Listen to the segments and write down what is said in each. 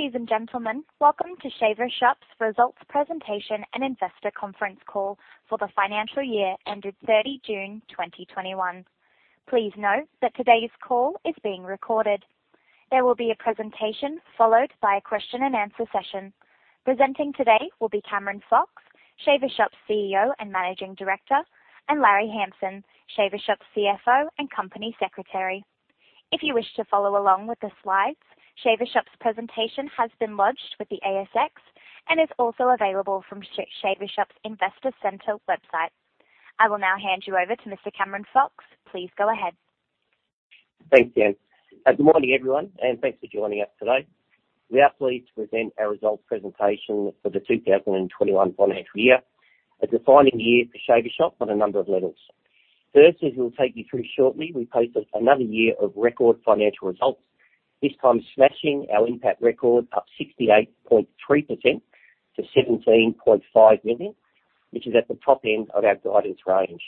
Ladies and gentlemen, welcome to Shaver Shop's results presentation and investor conference call for the financial year ended 30 June 2021. Please note that today's call is being recorded. There will be a presentation followed by a question-and-answer session. Presenting today will be Cameron Fox, Shaver Shop's CEO and Managing Director, and Larry Hamson, Shaver Shop's CFO and Company Secretary. If you wish to follow along with the slides, Shaver Shop's presentation has been lodged with the ASX and is also available from Shaver Shop's Investor Center website. I will now hand you over to Mr. Cameron Fox; please go ahead. Thanks, Jen. Good morning, everyone, and thanks for joining us today. We are pleased to present our results presentation for the 2021 financial year, a defining year for Shaver Shop on a number of levels. First, as we'll take you through shortly, we posted another year of record financial results, this time smashing our NPAT record up 68.3% to 17.5 million, which is at the top end of our guidance range.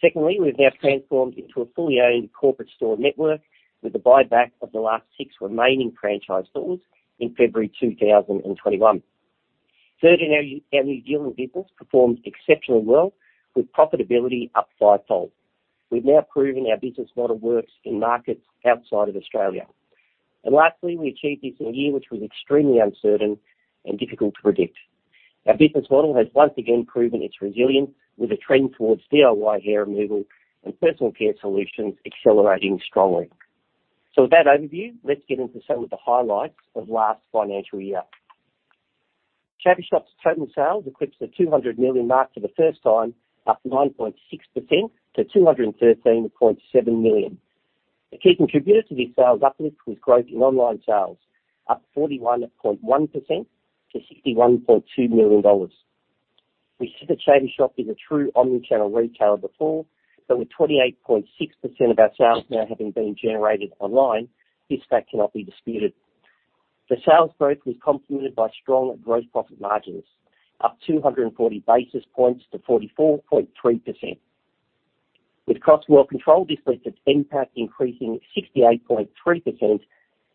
Secondly, we've now transformed into a fully owned corporate store network with the buyback of the last six remaining franchise stores in February 2021. Third, our New Zealand business performed exceptionally well, with profitability up fivefold. We've now proven our business model works in markets outside of Australia. Lastly, we achieved this in a year that was extremely uncertain and difficult to predict. Our business model has once again proven its resilience with a trend towards DIY hair removal and personal care solutions accelerating strongly. With that overview, let's get into some of the highlights of last financial year. Shaver Shop's total sales eclipsed the 200 million mark for the first time, up 9.6% to 213.7 million. The key contributor to this sales uplift was growth in online sales, up 41.1% to AUD 61.2 million. We said that Shaver Shop is a true omnichannel retailer before; with 28.6% of our sales now having been generated online, this fact cannot be disputed. The sales growth was complemented by strong gross profit margins, up 240 basis points to 44.3%. With costs well controlled, this led to NPAT increasing 68.3%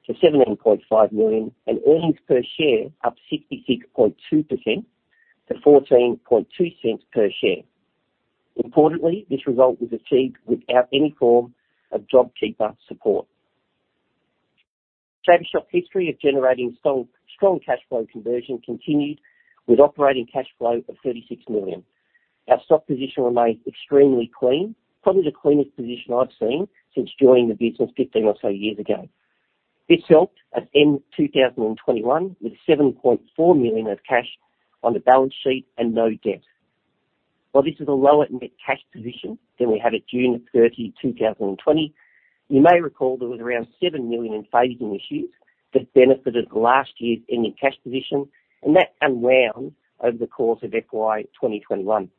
to 17.5 million and earnings per share up 66.2% to 0.142 per share. Importantly, this result was achieved without any form of JobKeeper support. Shaver Shop's history of generating strong cash flow conversion continued with operating cash flow of 36 million. Our stock position remains extremely clean, probably the cleanest position I've seen since joining the business 15 or so years ago. This helped at end 2021 with 7.4 million of cash on the balance sheet and no debt. While this is a lower net cash position than we had at June 30, 2020, you may recall there was around 7 million in phasing issues that benefited last year's ending cash position, and that unwound over the course of FY 2021.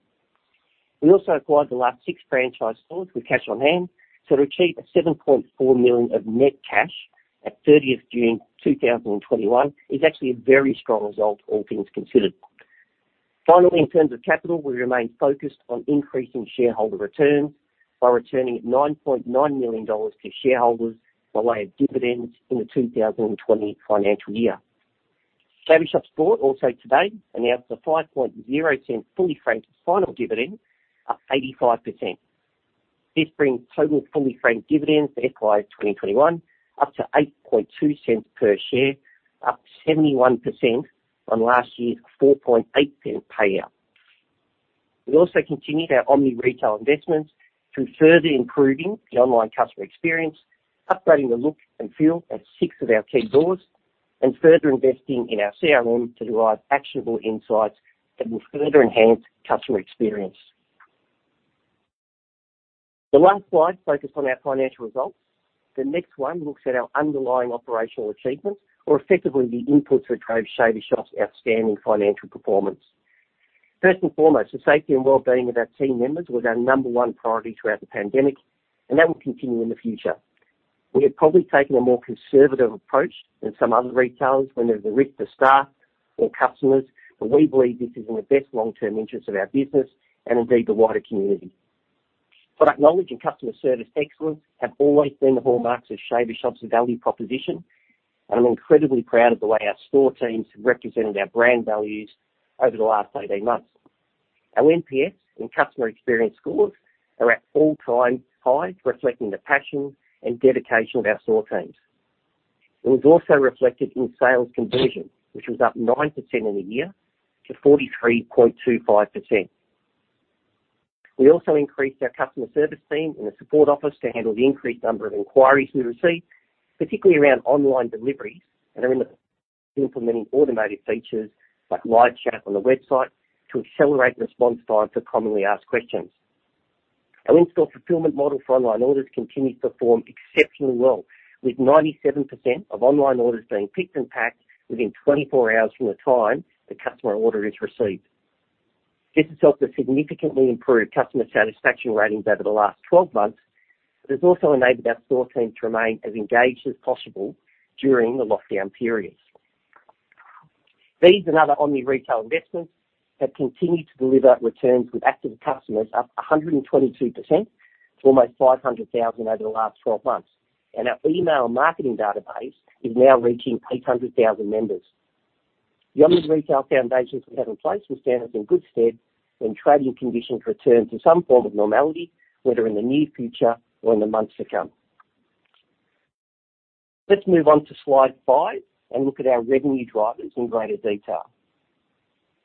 We also acquired the last six franchise stores with cash on hand to achieve 7.4 million of net cash at 30th June 2021. It's actually a very strong result, all things considered. Finally, in terms of capital, we remain focused on increasing shareholder returns by returning 9.9 million dollars to shareholders by way of dividends in the 2020 financial year. Shaver Shop's board also today announced a 0.05 fully franked final dividend, up 85%. This brings total fully franked dividends for FY 2021 up to 0.082 per share, up 71% on last year's 0.048 payout. We also continued our omni-retail investments through further improving the online customer experience, upgrading the look and feel of six of our key stores, and further investing in our CRM to derive actionable insights that will further enhance customer experience. The last slide focused on our financial results. The next one looks at our underlying operational achievements, or effectively the inputs that drove Shaver Shop's outstanding financial performance. First and foremost, the safety and well-being of our team members were our number one priority throughout the pandemic, and that will continue in the future. We have probably taken a more conservative approach than some other retailers when there's a risk to staff or customers, and we believe this is in the best long-term interest of our business and indeed the wider community. Product knowledge and customer service excellence have always been the hallmarks of Shaver Shop's value proposition. I'm incredibly proud of the way our store teams have represented our brand values over the last 18 months. Our NPS and customer experience scores are at all-time highs, reflecting the passion and dedication of our store teams. It was also reflected in sales conversion, which was up 9% in the year to 43.25%. We also increased our customer service team in the support office to handle the increased number of inquiries we received, particularly around online deliveries, and are in the process of implementing automated features like live chat on the website to accelerate response times for commonly asked questions. Our in-store fulfillment model for online orders continues to perform exceptionally well, with 97% of online orders being picked and packed within 24 hours from the time the customer order is received. This has helped us significantly improve customer satisfaction ratings over the last 12 months but has also enabled our store teams to remain as engaged as possible during the lockdown periods. These and other omni-retail investments have continued to deliver returns with active customers up 122% to almost 500,000 over the last 12 months. Our email marketing database is now reaching 800,000 members. The omni-retail foundations we have in place will stand us in good stead when trading conditions return to some form of normality, whether in the near future or in the months to come. Let's move on to slide five and look at our revenue drivers in greater detail.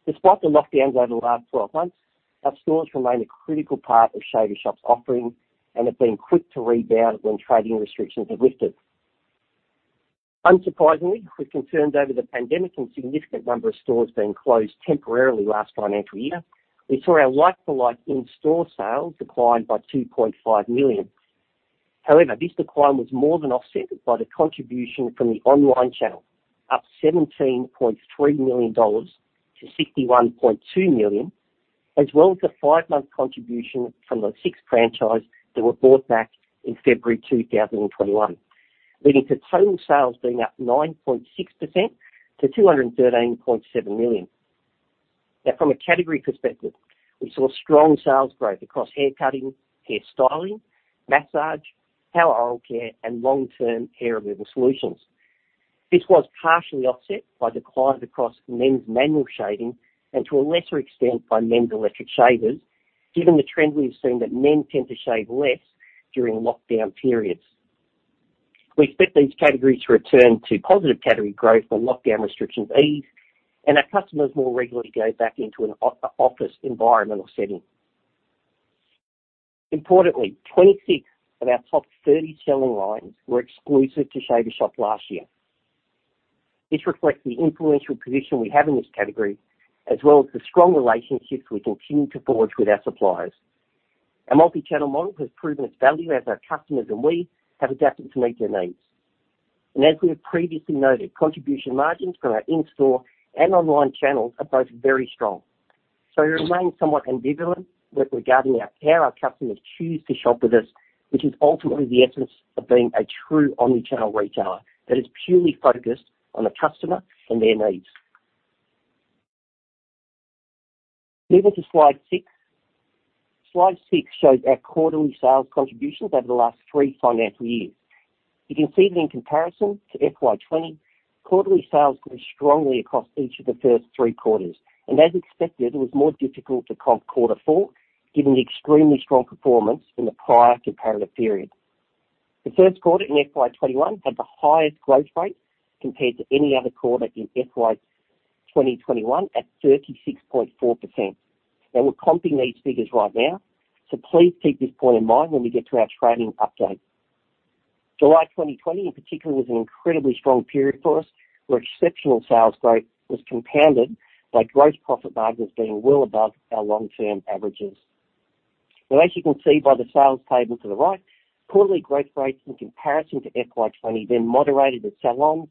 Despite the lockdowns over the last 12 months, our stores remain a critical part of Shaver Shop's offering and have been quick to rebound when trading restrictions have lifted. Unsurprisingly, with concerns over the pandemic and a significant number of stores being closed temporarily last financial year, we saw our like-for-like in-store sales decline by 2.5 million. This decline was more than offset by the contribution from the online channel, up 17.3 million-61.2 million dollars, as well as the five-month contribution from the six franchises that were bought back in February 2021, leading to total sales being up 9.6% to 213.7 million. From a category perspective, we saw strong sales growth across hair cutting, hair styling, massage, oral care, and long-term hair removal solutions. This was partially offset by declines across men's manual shaving and, to a lesser extent, by men's electric shavers, given the trend we've seen that men tend to shave less during lockdown periods. We expect these categories to return to positive category growth when lockdown restrictions ease and our customers more regularly go back into an office environmental setting. Importantly, 26 of our top 30 selling lines were exclusive to Shaver Shop last year. This reflects the influential position we have in this category, as well as the strong relationships we continue to forge with our suppliers. Our multi-channel model has proven its value as our customers and we have adapted to meet their needs. As we have previously noted, contribution margins for our in-store and online channels are both very strong. We remain somewhat ambivalent regarding how our customers choose to shop with us, which is ultimately the essence of being a true omni-channel retailer that is purely focused on the customer and their needs. Moving to slide six. Slide six shows our quarterly sales contributions over the last three financial years. You can see that in comparison to FY 2020, quarterly sales grew strongly across each of the first three quarters. As expected, it was more difficult to comp quarter four, given the extremely strong performance in the prior comparative period. The first quarter in FY 2021 had the highest growth rate compared to any other quarter in FY 2021 at 36.4%. We're comping these figures right now, so please keep this point in mind when we get to our trading update. July 2020, in particular, was an incredibly strong period for us, where exceptional sales growth was compounded by gross profit margins being well above our long-term averages. As you can see by the sales table to the right, quarterly growth rates in comparison to FY 2020 then moderated as salons,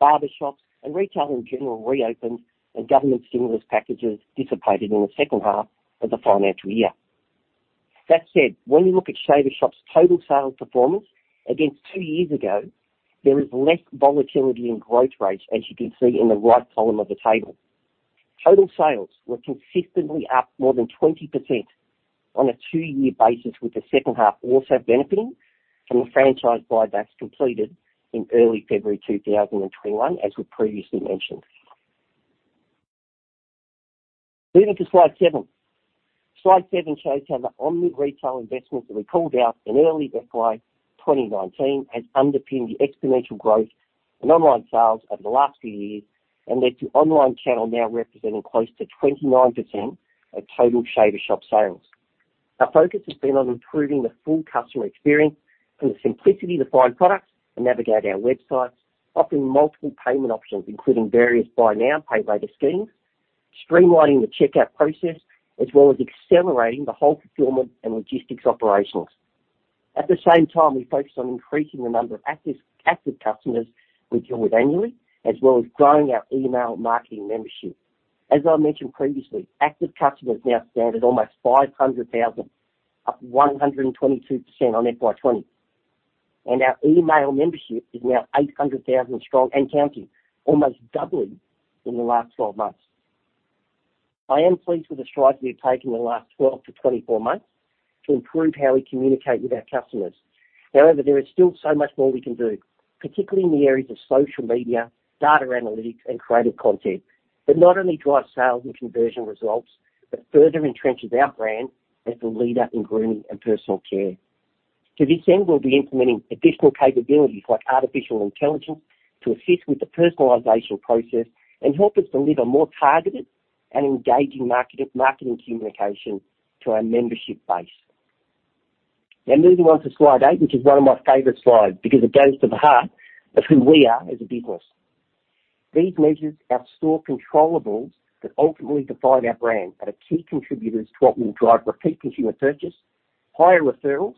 barber shops, and retail in general reopened and government stimulus packages dissipated in the second half of the financial year. That said, when you look at Shaver Shop's total sales performance against two years ago, there is less volatility in growth rates, as you can see in the right column of the table. Total sales were consistently up more than 20% on a two-year basis, with the second half also benefiting from the franchise buybacks completed in early February 2021, as we previously mentioned. Moving to slide seven. Slide seven shows how the omni-retail investments that we called out in early FY 2019 have underpinned the exponential growth in online sales over the last few years and led to the online channel now representing close to 29% of total Shaver Shop sales. Our focus has been on improving the full customer experience, from the simplicity of finding products and navigating our websites to offering multiple payment options, including various buy now, pay later schemes, and streamlining the checkout process, as well as accelerating the whole fulfillment and logistics operations. At the same time, we focused on increasing the number of active customers we deal with annually, as well as growing our email marketing membership. As I mentioned previously, active customers now stand at almost 500,000, up 122% from FY 2020. Our email membership is now 800,000 strong and counting, almost doubling in the last 12 months. I am pleased with the strides we have taken in the last 12-24 months to improve how we communicate with our customers. However, there is still so much more we can do, particularly in the areas of social media, data analytics, and creative content, that not only drives sales and conversion results but further entrenches our brand as the leader in grooming and personal care. To this end, we'll be implementing additional capabilities like artificial intelligence to assist with the personalization process and help us deliver more targeted and engaging marketing communication to our membership base. Now moving on to slide eight, which is one of my favorite slides because it goes to the heart of who we are as a business. These measures are store controllable that ultimately define our brand and are key contributors to what will drive repeat consumer purchases, higher referrals,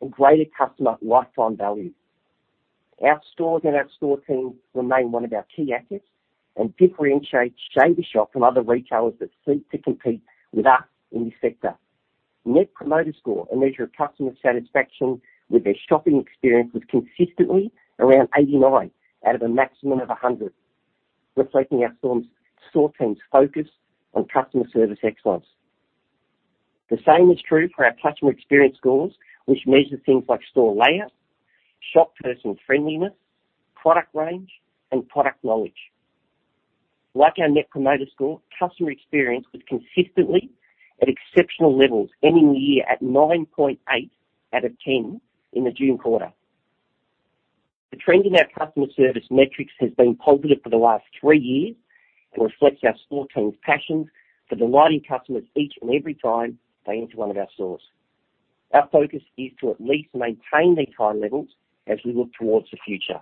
and greater customer lifetime value. Our stores and our store teams remain one of our key assets and differentiate Shaver Shop from other retailers that seek to compete with us in this sector. Net Promoter Score, a measure of customer satisfaction with their shopping experience, was consistently around 89 out of a maximum of 100, reflecting our store team's focus on customer service excellence. The same is true for our customer experience scores, which measure things like store layout, shop person friendliness, product range, and product knowledge. Like our Net Promoter Score, customer experience was consistently at exceptional levels, ending the year at 9.8 out of 10 in the June quarter. The trend in our customer service metrics has been positive for the last three years and reflects our store team's passion for delighting customers each and every time they enter one of our stores. Our focus is to at least maintain these high levels as we look towards the future.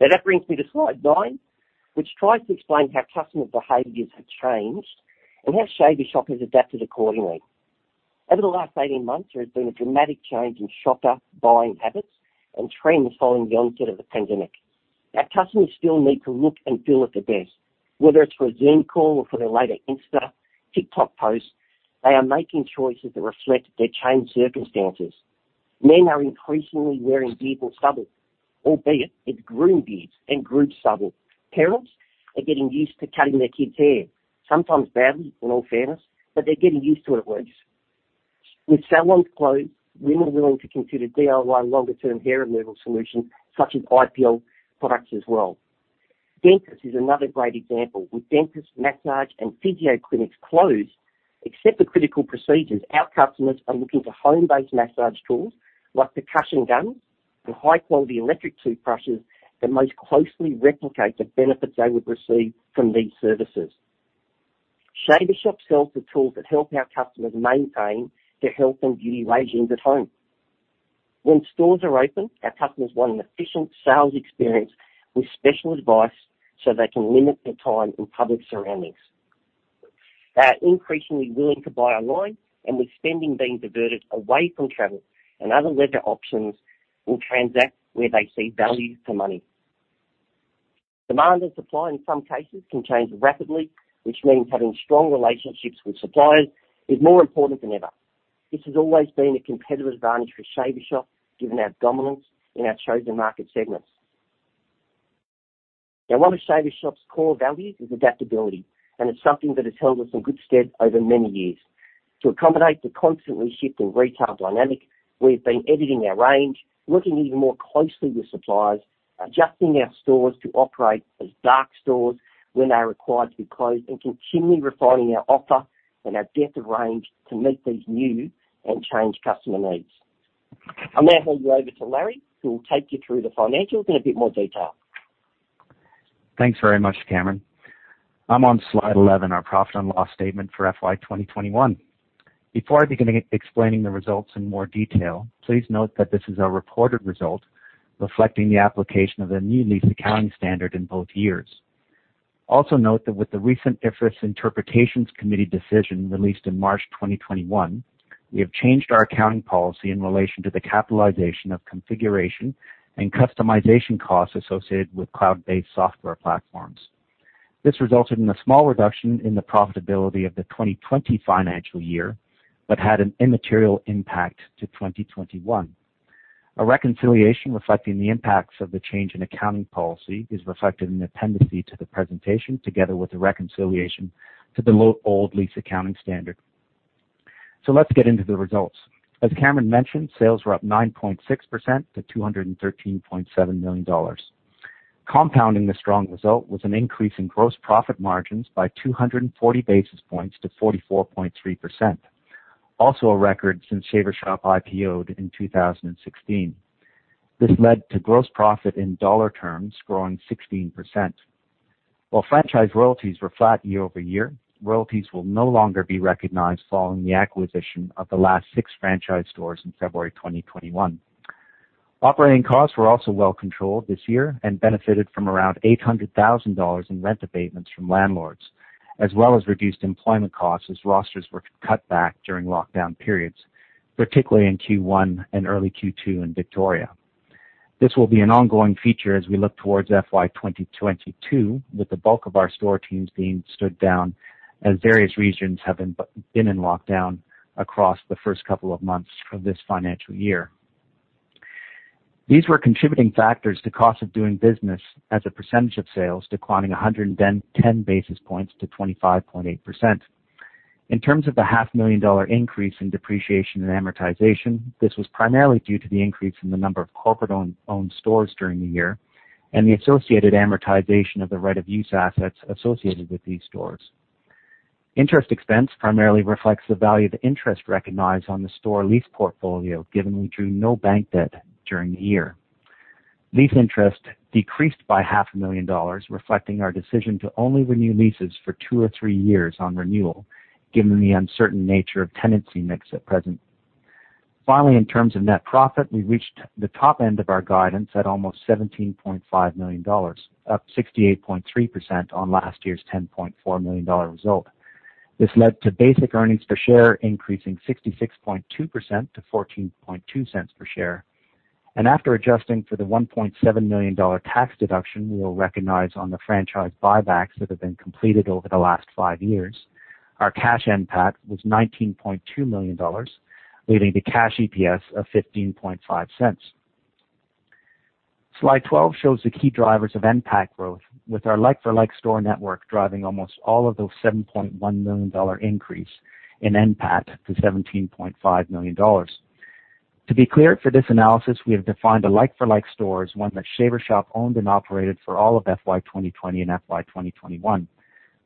Now that brings me to slide nine, which tries to explain how customer behaviors have changed and how Shaver Shop has adapted accordingly. Over the last 18 months, there has been a dramatic change in shopper buying habits and trends following the onset of the pandemic. Our customers still need to look and feel their best, whether it's for a Zoom call or for their latest Instagram or TikTok post; they are making choices that reflect their changed circumstances. Men are increasingly wearing beards and stubble, albeit it's groomed beards and groomed stubble. Parents are getting used to cutting their kids' hair, sometimes badly in all fairness, but they're getting used to it at least. With salons closed, women are willing to consider DIY longer-term hair removal solutions such as IPL products as well. Dentists are another great example. With dentist, massage, and physio clinics closed, except for critical procedures, our customers are looking to home-based massage tools like percussion guns and high-quality electric toothbrushes that most closely replicate the benefits they would receive from these services. Shaver Shop sells the tools that help our customers maintain their health and beauty regimes at home. When stores are open, our customers want an efficient sales experience with special advice so they can limit their time in public surroundings. They are increasingly willing to buy online, and with spending being diverted away from travel and other leisure options will transact where they see value for money. Demand and supply in some cases can change rapidly, which means having strong relationships with suppliers is more important than ever. This has always been a competitive advantage for Shaver Shop, given our dominance in our chosen market segments. One of Shaver Shop's core values is adaptability, and it's something that has held us in good stead over many years. To accommodate the constantly shifting retail dynamic, we've been editing our range, working even more closely with suppliers, adjusting our stores to operate as dark stores when they are required to be closed, and continually refining our offer and our depth of range to meet these new and changed customer needs. I'll now hand you over to Larry, who will take you through the financials in a bit more detail. Thanks very much, Cameron Fox. I'm on slide 11, our profit and loss statement for FY 2021. Before I begin explaining the results in more detail, please note that this is our reported result reflecting the application of the new lease accounting standard in both years. Note that with the recent IFRS Interpretations Committee decision released in March 2021, we have changed our accounting policy in relation to the capitalization of configuration and customization costs associated with cloud-based software platforms. This resulted in a small reduction in the profitability of the 2020 financial year but had an immaterial impact on 2021. A reconciliation reflecting the impacts of the change in accounting policy is reflected in appendices to the presentation, together with a reconciliation to the old lease accounting standard. Let's get into the results. As Cameron Fox mentioned, sales were up 9.6% to 213.7 million dollars. Compounding the strong result was an increase in gross profit margins by 240 basis points to 44.3%. Also a record since Shaver Shop IPO'd in 2016. This led to gross profit in dollar terms growing 16%. While franchise royalties were flat year-over-year, royalties will no longer be recognized following the acquisition of the last six franchise stores in February 2021. Operating costs were also well controlled this year and benefited from around 800,000 dollars in rent abatements from landlords, as well as reduced employment costs as rosters were cut back during lockdown periods, particularly in Q1 and early Q2 in Victoria. This will be an ongoing feature as we look towards FY 2022, with the bulk of our store teams being stood down as various regions have been in lockdown across the first couple of months of this financial year. These were contributing factors to cost of doing business as a percentage of sales declining 110 basis points to 25.8%. In terms of the half-million dollar increase in depreciation and amortization, this was primarily due to the increase in the number of corporate-owned stores during the year and the associated amortization of the right-of-use assets associated with these stores. Interest expense primarily reflects the value of interest recognized on the store lease portfolio, given we drew no bank debt during the year. Lease interest decreased by half a million dollars, reflecting our decision to only renew leases for two or three years on renewal, given the uncertain nature of tenancy mix at present. Finally, in terms of net profit, we reached the top end of our guidance at almost 17.5 million dollars, up 68.3% on last year's 10.4 million dollar result. This led to basic earnings per share increasing 66.2% to 0.142 per share. After adjusting for the 1.7 million dollar tax deduction we will recognize on the franchise buybacks that have been completed over the last five years, our cash NPAT was 19.2 million dollars, leading to cash EPS of 0.155. Slide 12 shows the key drivers of NPAT growth, with our like-for-like store network driving almost all of those 7.1 million dollar increases in NPAT to 17.5 million dollars. To be clear, for this analysis, we have defined a like-for-like store as one that Shaver Shop owned and operated for all of FY 2020 and FY 2021,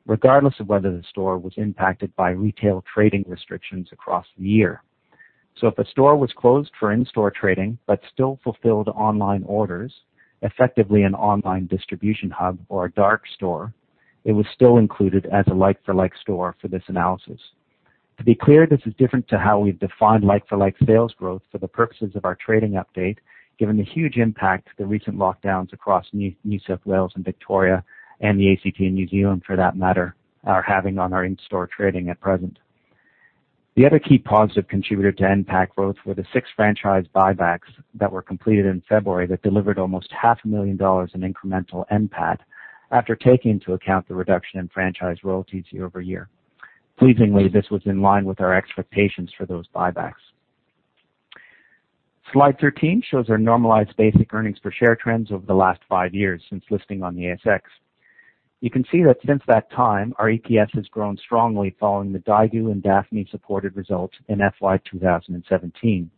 regardless of whether the store was impacted by retail trading restrictions across the year. If a store was closed for in-store trading but still fulfilled online orders, effectively an online distribution hub or a dark store, it was still included as a like-for-like store for this analysis. To be clear, this is different to how we've defined like-for-like sales growth for the purposes of our trading update, given the huge impact the recent lockdowns across New South Wales and Victoria, and the ACT and New Zealand for that matter, are having on our in-store trading at present. The other key positive contributor to NPAT growth were the six franchise buybacks that were completed in February that delivered almost half a million dollars in incremental NPAT after taking into account the reduction in franchise royalties year-over-year. Pleasingly, this was in line with our expectations for those buybacks. Slide 13 shows our normalized basic earnings per share trends over the last five years since listing on the ASX. You can see that since that time, our EPS has grown strongly following the DAFNI-supported result in FY 2017.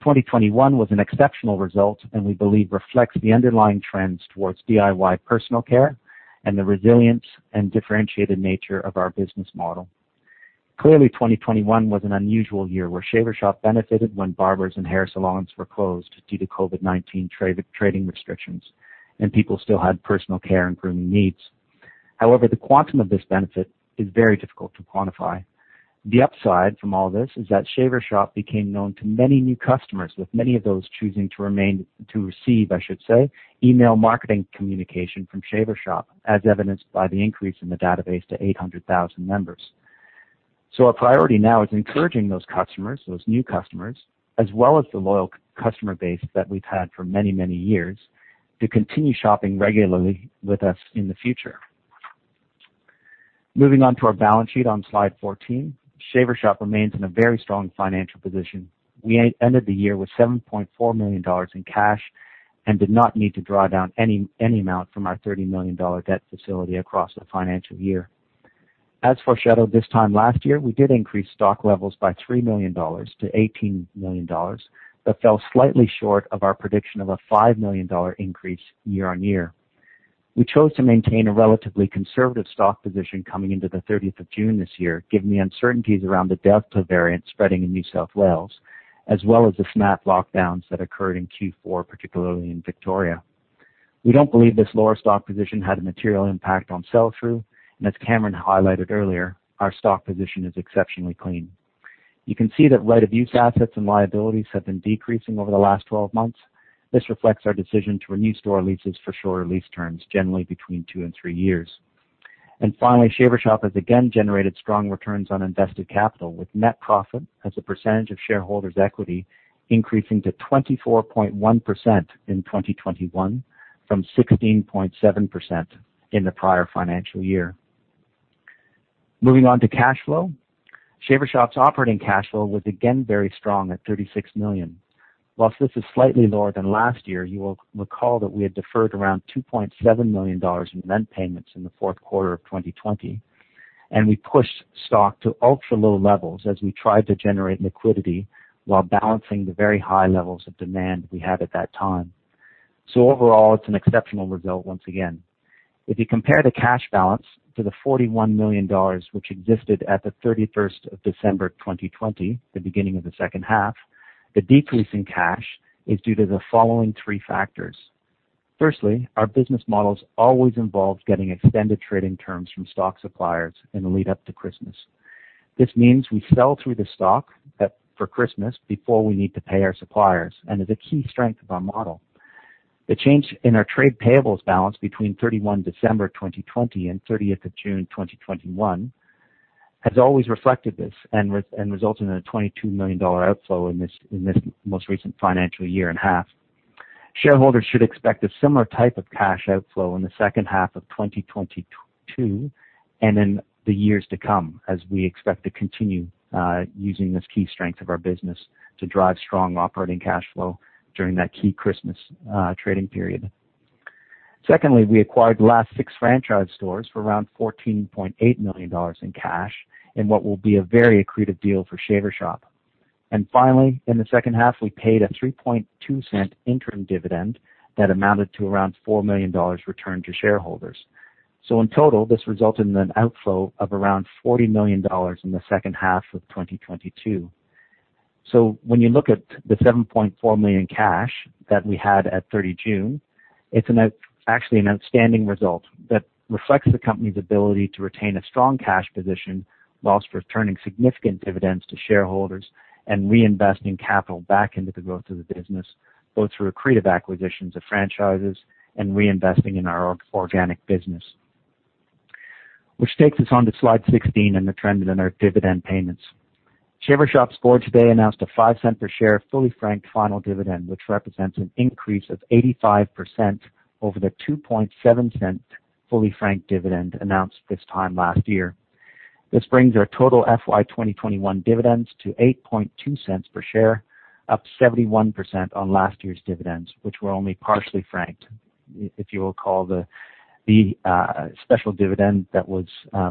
2021 was an exceptional result, and we believe it reflects the underlying trends towards DIY personal care and the resilience and differentiated nature of our business model. Clearly, 2021 was an unusual year when Shaver Shop benefited when barbers and hair salons were closed due to COVID-19 trading restrictions, and people still had personal care and grooming needs. However, the quantum of this benefit is very difficult to quantify. The upside from all this is that Shaver Shop became known to many new customers, with many of those choosing to remain to receive, I should say, email marketing communication from Shaver Shop, as evidenced by the increase in the database to 800,000 members. Our priority now is encouraging those customers, those new customers, as well as the loyal customer base that we've had for many, many years, to continue shopping regularly with us in the future. Moving on to our balance sheet on slide 14, Shaver Shop remains in a very strong financial position. We ended the year with 7.4 million dollars in cash and did not need to draw down any amount from our 30 million dollar debt facility across the financial year. As foreshadowed this time last year, we did increase stock levels by 3 million-18 million dollars. That fell slightly short of our prediction of an 5 million dollar increase year-on-year. We chose to maintain a relatively conservative stock position coming into the 30th of June this year, given the uncertainties around the Delta variant spreading in New South Wales, as well as the snap lockdowns that occurred in Q4, particularly in Victoria. We don't believe this lower stock position had a material impact on sell-through, and as Cameron highlighted earlier, our stock position is exceptionally clean. You can see that right-of-use assets and liabilities have been decreasing over the last 12 months. This reflects our decision to renew store leases for shorter lease terms, generally between two and three years. Finally, Shaver Shop has again generated strong returns on invested capital, with net profit as a percentage of shareholders' equity increasing to 24.1% in 2021 from 16.7% in the prior financial year. Moving on to cash flow. Shaver Shop's operating cash flow was again very strong at 36 million. While this is slightly lower than last year, you will recall that we had deferred around 2.7 million dollars in rent payments in the fourth quarter of 2020, and we pushed stock to ultra-low levels as we tried to generate liquidity while balancing the very high levels of demand we had at that time. Overall, it's an exceptional result once again. If you compare the cash balance to the 41 million dollars, which existed at the 31st of December 2020, the beginning of the second half, the decrease in cash is due to the following three factors. Firstly, our business models always involved getting extended trading terms from stock suppliers in the lead up to Christmas. This means we sell through the stock for Christmas before we need to pay our suppliers and is a key strength of our model. The change in our trade payables balance between 31 December 2020 and 30th of June 2021 has always reflected this and resulted in an 22 million dollar outflow in this most recent financial year and half. Shareholders should expect a similar type of cash outflow in the second half of 2022, and in the years to come, as we expect to continue using this key strength of our business to drive strong operating cash flow during that key Christmas trading period. Secondly, we acquired the last six franchise stores for around 14.8 million dollars in cash in what will be a very accretive deal for Shaver Shop. Finally, in the second half, we paid an 0.032 interim dividend that amounted to around 4 million dollars returned to shareholders. In total, this resulted in an outflow of around 40 million dollars in the second half of 2022. When you look at the 7.4 million cash that we had at 30 June, it's actually an outstanding result that reflects the company's ability to retain a strong cash position while returning significant dividends to shareholders and reinvesting capital back into the growth of the business, both through accretive acquisitions of franchises and reinvesting in our organic business. Which takes us on to slide 16 and the trend in our dividend payments. Shaver Shop's board today announced an 0.05 per share fully franked final dividend, which represents an increase of 85% over the 0.027 fully franked dividend announced this time last year. This brings our total FY 2021 dividends to 0.082 per share, up 71% on last year's dividends, which were only partially franked. If you'll recall, the special dividend that was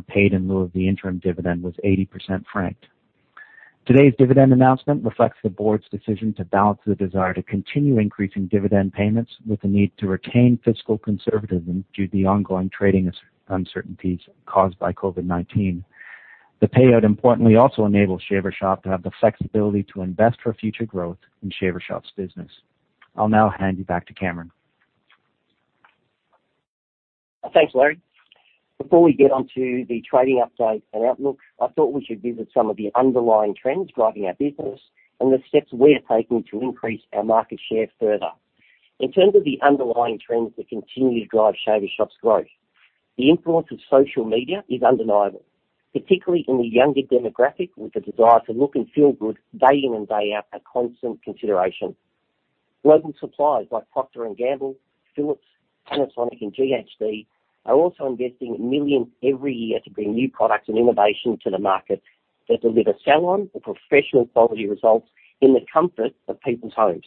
paid in lieu of the interim dividend was 80% franked. Today's dividend announcement reflects the board's decision to balance the desire to continue increasing dividend payments with the need to retain fiscal conservatism due to the ongoing trading uncertainties caused by COVID-19. The payout importantly also enables Shaver Shop to have the flexibility to invest for future growth in Shaver Shop's business. I'll now hand you back to Cameron. Thanks, Larry. Before we get on to the trading update and outlook, I thought we should visit some of the underlying trends driving our business and the steps we're taking to increase our market share further. In terms of the underlying trends that continue to drive Shaver Shop's growth, the influence of social media is undeniable, particularly in the younger demographic, with the desire to look and feel good day in and day out a constant consideration. Global suppliers like Procter & Gamble, Philips, Panasonic, and GHD are also investing millions every year to bring new products and innovation to the market that deliver salon or professional-quality results in the comfort of people's homes.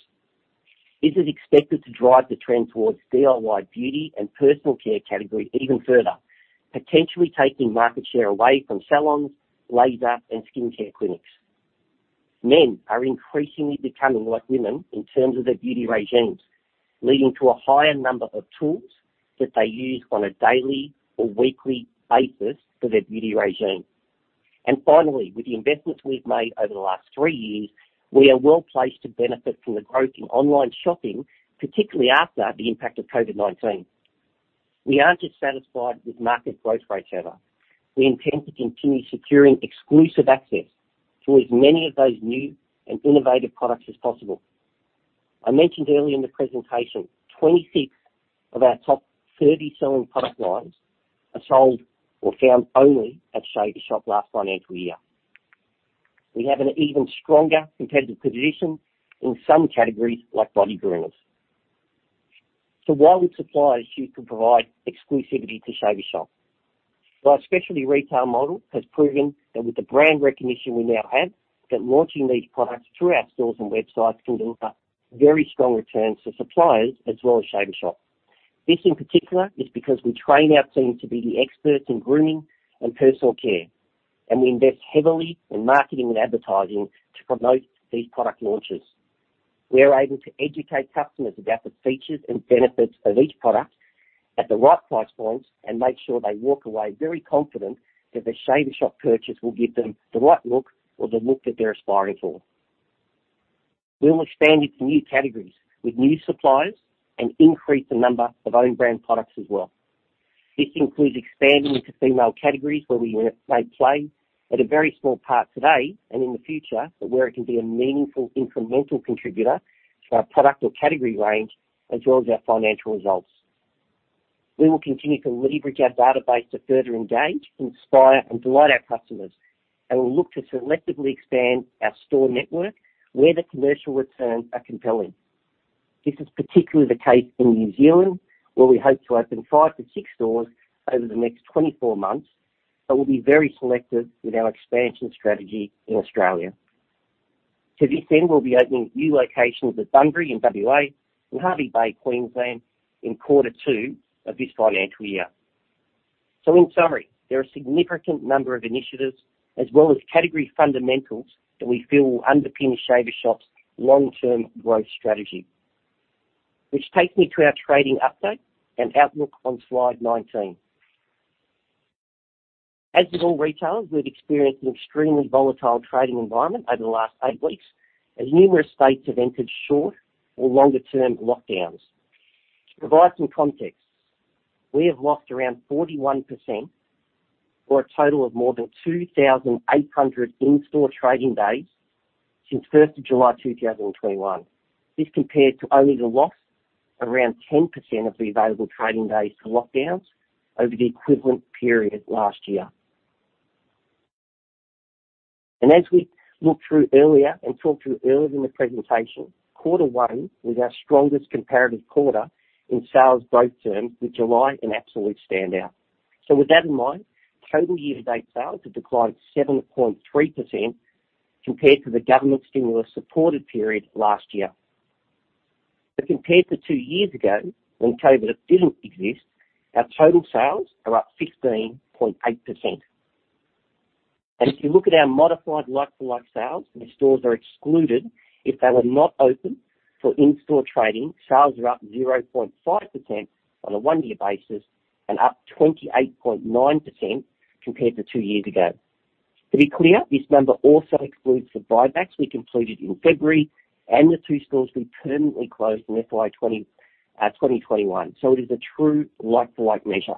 This is expected to drive the trend towards DIY beauty and personal care category even further, potentially taking market share away from salons, lasers, and skin care clinics. Men are increasingly becoming like women in terms of their beauty regimes, leading to a higher number of tools that they use on a daily or weekly basis for their beauty regime. Finally, with the investments we've made over the last three years, we are well-placed to benefit from the growth in online shopping, particularly after the impact of COVID-19. We aren't just satisfied with market growth rates, however. We intend to continue securing exclusive access to as many of those new and innovative products as possible. I mentioned earlier in the presentation, 26 of our top 30 selling product lines are sold or found only at Shaver Shop last financial year. We have an even stronger competitive position in some categories like body groomers. Why would suppliers choose to provide exclusivity to Shaver Shop? Our specialty retail model has proven that with the brand recognition we now have, launching these products through our stores and websites can deliver very strong returns to suppliers as well as Shaver Shop. This, in particular, is because we train our team to be the experts in grooming and personal care, and we invest heavily in marketing and advertising to promote these product launches. We are able to educate customers about the features and benefits of each product at the right price points and make sure they walk away very confident that their Shaver Shop purchase will give them the right look or the look that they're aspiring for. We will expand into new categories with new suppliers and increase the number of own brand products as well. This includes expanding into female categories where we may play a very small part today and in the future but where it can be a meaningful incremental contributor to our product or category range as well as our financial results. We'll look to selectively expand our store network where the commercial returns are compelling. This is particularly the case in New Zealand, where we hope to open 5 to 6 stores over the next 24 months, but we'll be very selective with our expansion strategy in Australia. To this end, we'll be opening new locations at Bunbury in W.A. and Hervey Bay, Queensland, in quarter 2 of this financial year. In summary, there are a significant number of initiatives as well as category fundamentals that we feel will underpin Shaver Shop's long-term growth strategy. Which takes me to our trading update and outlook on slide 19. As with all retailers, we've experienced an extremely volatile trading environment over the last eight weeks, as numerous states have entered short or longer-term lockdowns. To provide some context, we have lost around 41%, or a total of more than 2,800 in-store trading days since 1st of July, 2021. This compares to only the loss of around 10% of the available trading days to lockdowns over the equivalent period last year. As we looked through earlier and talked through earlier in the presentation, quarter one was our strongest comparative quarter in sales growth terms, with July an absolute standout. With that in mind, total year-to-date sales have declined 7.3% compared to the government stimulus-supported period last year. Compared to two years ago, when COVID didn't exist, our total sales are up 15.8%. If you look at our modified like-for-like sales, where stores are excluded if they were not open for in-store trading, sales are up 0.5% on a one-year basis and up 28.9% compared to two years ago. To be clear, this number also excludes the buybacks we completed in February and the two stores we permanently closed in FY 2021. It is a true like-for-like measure.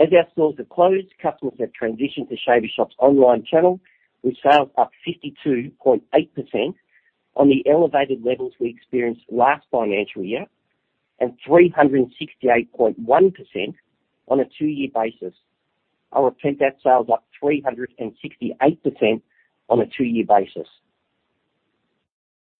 As our stores are closed, customers have transitioned to Shaver Shop's online channel, with sales up 52.8% on the elevated levels we experienced last financial year and 368.1% on a two-year basis. I'll repeat that: sales are up 368% on a two-year basis.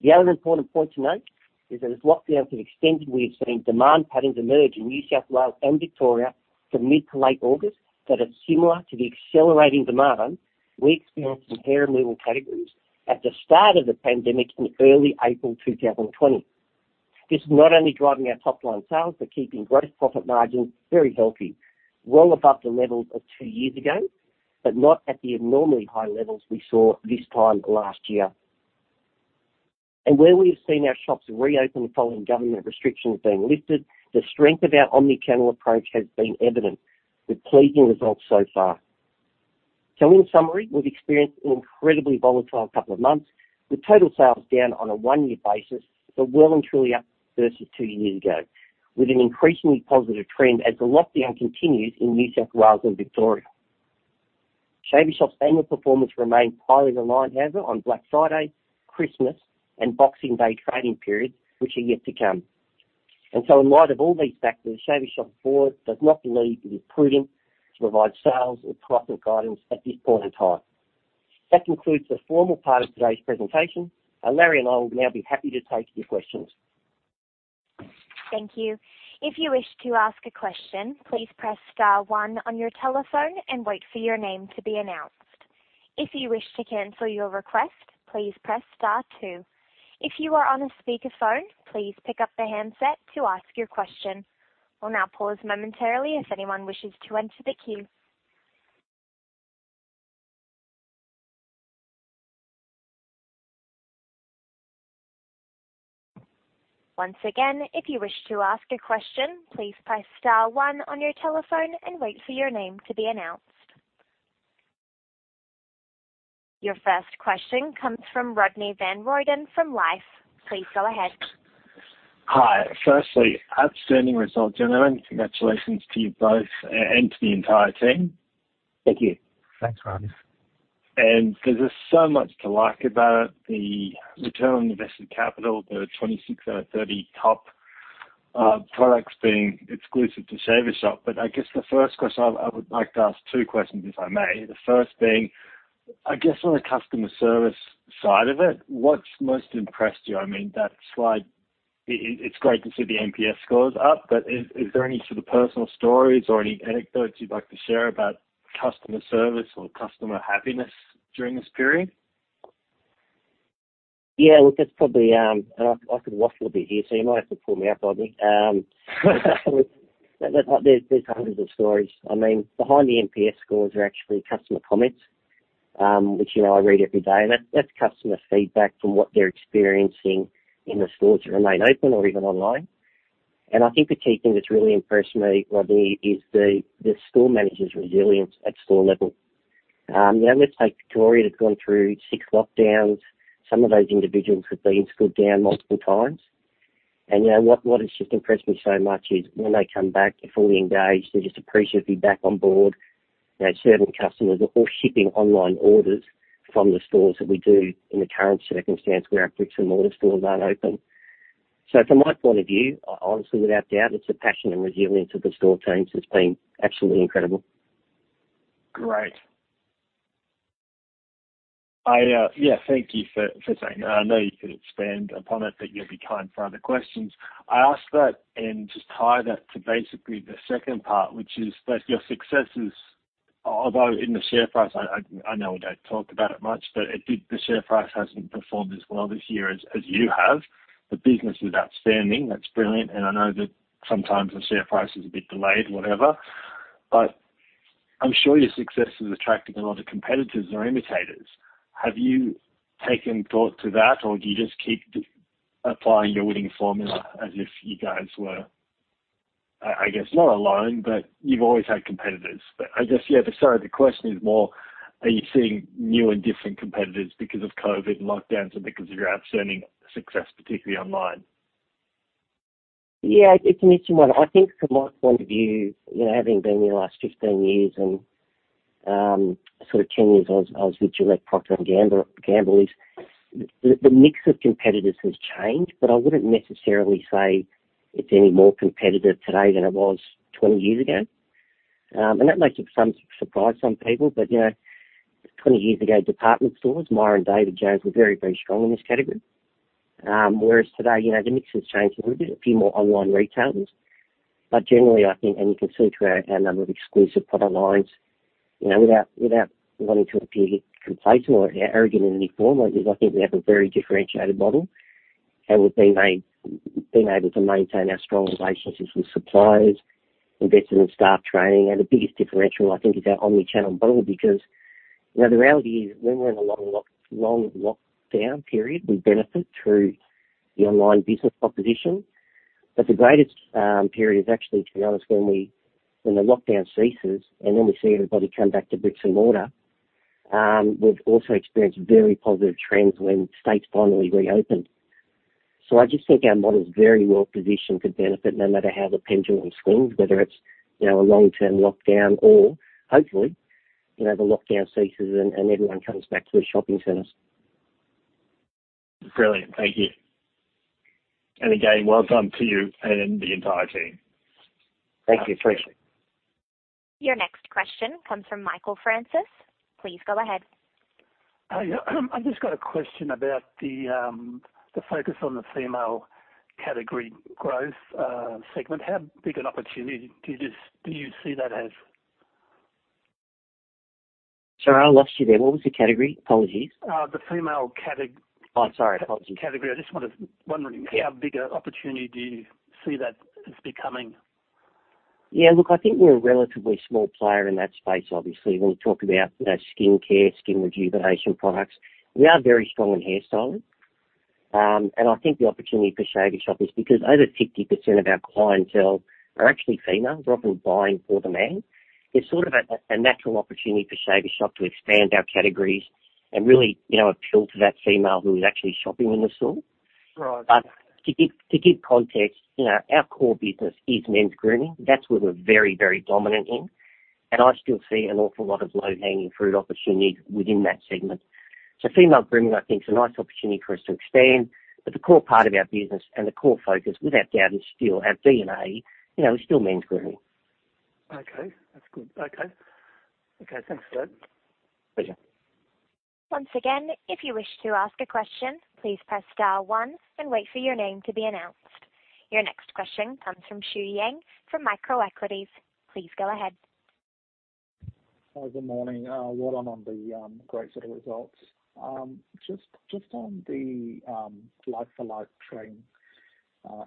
The other important point to note is that as lockdowns have extended, we have seen demand patterns emerge in New South Wales and Victoria from mid- to late August that are similar to the accelerating demand we experienced in hair-removal categories at the start of the pandemic in early April 2020. This is not only driving our top-line sales, but keeping gross profit margins very healthy, well above the levels of two years ago but not at the enormously high levels we saw this time last year. Where we have seen our shops reopen following government restrictions being lifted, the strength of our omni-channel approach has been evident, with pleasing results so far. In summary, we've experienced an incredibly volatile couple of months, with total sales down on a one-year basis, but well and truly up versus two years ago, with an increasingly positive trend as the lockdown continues in New South Wales and Victoria. Shaver Shop's annual performance remains highly reliant, however, on Black Friday, Christmas, and Boxing Day trading periods, which are yet to come. In light of all these factors, Shaver Shop's board does not believe it is prudent to provide sales or profit guidance at this point in time. That concludes the formal part of today's presentation. Larry and I will now be happy to take your questions. Thank you. If you wish to ask a question, please press star one on your telephone and wait for your name to be announced. If you wish to cancel your request, please press star two. If you are on a speakerphone, please pick up the handset to ask your question. We'll now pause momentarily if anyone wishes to enter the queue. Once again, if you wish to ask a question, please press star one on your telephone and wait for your name to be announced. Your first question comes from [Rodney Van Royden] from Moelis. Please go ahead. Hi. Firstly, outstanding results, gentlemen. Congratulations to you both and to the entire team. Thank you. Thanks, Rodney. Because there's so much to like about the return on invested capital, the 26 out of 30 top products being exclusive to Shaver Shop. I guess the first question—I would like to ask two questions, if I may. The first being, I guess, on the customer service side of it, what's most impressed you? I mean, that slide—it's great to see the NPS scores up, but is there any sort of personal story or any anecdote you'd like to share about customer service or customer happiness during this period? Yeah, look, that's probably—I could waffle a bit here, so you might have to pull me up, Rodney. There are hundreds of stories. Behind the NPS scores are actually customer comments, which I read every day. That's customer feedback from what they're experiencing in the stores that remain open or even online. I think the key thing that's really impressed me, Rodney, is the store managers' resilience at the store level. Let's take Victoria that's gone through six lockdowns. Some of those individuals have been screwed down multiple times. What has just impressed me so much is when they come back, they're fully engaged. They're just appreciative to be back on board. Serving customers or shipping online orders from the stores that we do in the current circumstance where our bricks-and-mortar stores aren't open. From my point of view, honestly, without a doubt, it's the passion and resilience of the store teams has been absolutely incredible. Great. Yeah, thank you for saying that. I know you could expand upon it, but you'll be kind to other questions. I ask that and just tie that to basically the second part, which is that your successes, although in the share price—I know we don't talk about it much—haven't performed as well this year as you have. The business is outstanding. That's brilliant, and I know that sometimes the share price is a bit delayed, whatever. I'm sure your success is attracting a lot of competitors or imitators. Have you taken thought to that, or do you just keep applying your winning formula as if you guys were, I guess, not alone, but you've always had competitors? I guess, yeah, sorry, the question is more, are you seeing new and different competitors because of COVID and lockdowns and because of your outstanding success, particularly online? It's an interesting one. I think from my point of view, having been here the last 15 years and sort of 10 years I was with Gillette/Procter & Gamble, the mix of competitors has changed, but I wouldn't necessarily say it's any more competitive today than it was 20 years ago. That may surprise some people. 20 years ago, department stores, Myer and David Jones, were very, very strong in this category. Whereas today, the mix has changed a little bit. A few more online retailers. Generally, I think, and you can see through our number of exclusive product lines, without wanting to appear complacent or arrogant in any form, we have a very differentiated model, and we've been able to maintain our strong relationships with suppliers, invest in staff training, and, the biggest differential, I think, is our omnichannel model. The reality is, when we're in a long lockdown period, we benefit through the online business proposition. The greatest period is actually, to be honest, when the lockdown ceases and we see everybody come back to bricks and mortar. We've also experienced very positive trends when states finally reopen. I just think our model is very well positioned to benefit no matter how the pendulum swings, whether it's a long-term lockdown or, hopefully, the lockdown ceases and everyone comes back to the shopping centers. Brilliant. Thank you. Again, well done to you and the entire team. Thank you. Appreciate it. Your next question comes from Michael Francis. Please go ahead. Hi. I've just got a question about the focus on the female category growth segment. How big an opportunity do you see that as? Sorry, I lost you there. What was the category? Apologies. The female category. Oh, sorry. Apologies. Category. I'm just wondering how big an opportunity do you see that becoming? Look, I think we're a relatively small player in that space, obviously. When you talk about skincare and skin rejuvenation products, we are very strong in hairstyling. I think the opportunity for Shaver Shop is because over 50% of our clientele are actually female, often buying for the men. It's sort of a natural opportunity for Shaver Shop to expand our categories and really appeal to that female who is actually shopping in the store. Right. To give context, our core business is men's grooming. That's what we're very, very dominant in. I still see an awful lot of low-hanging fruit opportunity within that segment. Female grooming, I think, is a nice opportunity for us to expand, but the core part of our business and the core focus, without a doubt, is still our DNA; it is still men's grooming. Okay. That's good. Okay. Okay, thanks for that. Pleasure. Once again, if you wish to ask a question, please press star one and wait for your name to be announced. Your next question comes from Shuo Yang from Microequities. Please go ahead. Good morning. Well done on the great set of results. Just on the like-for-like trading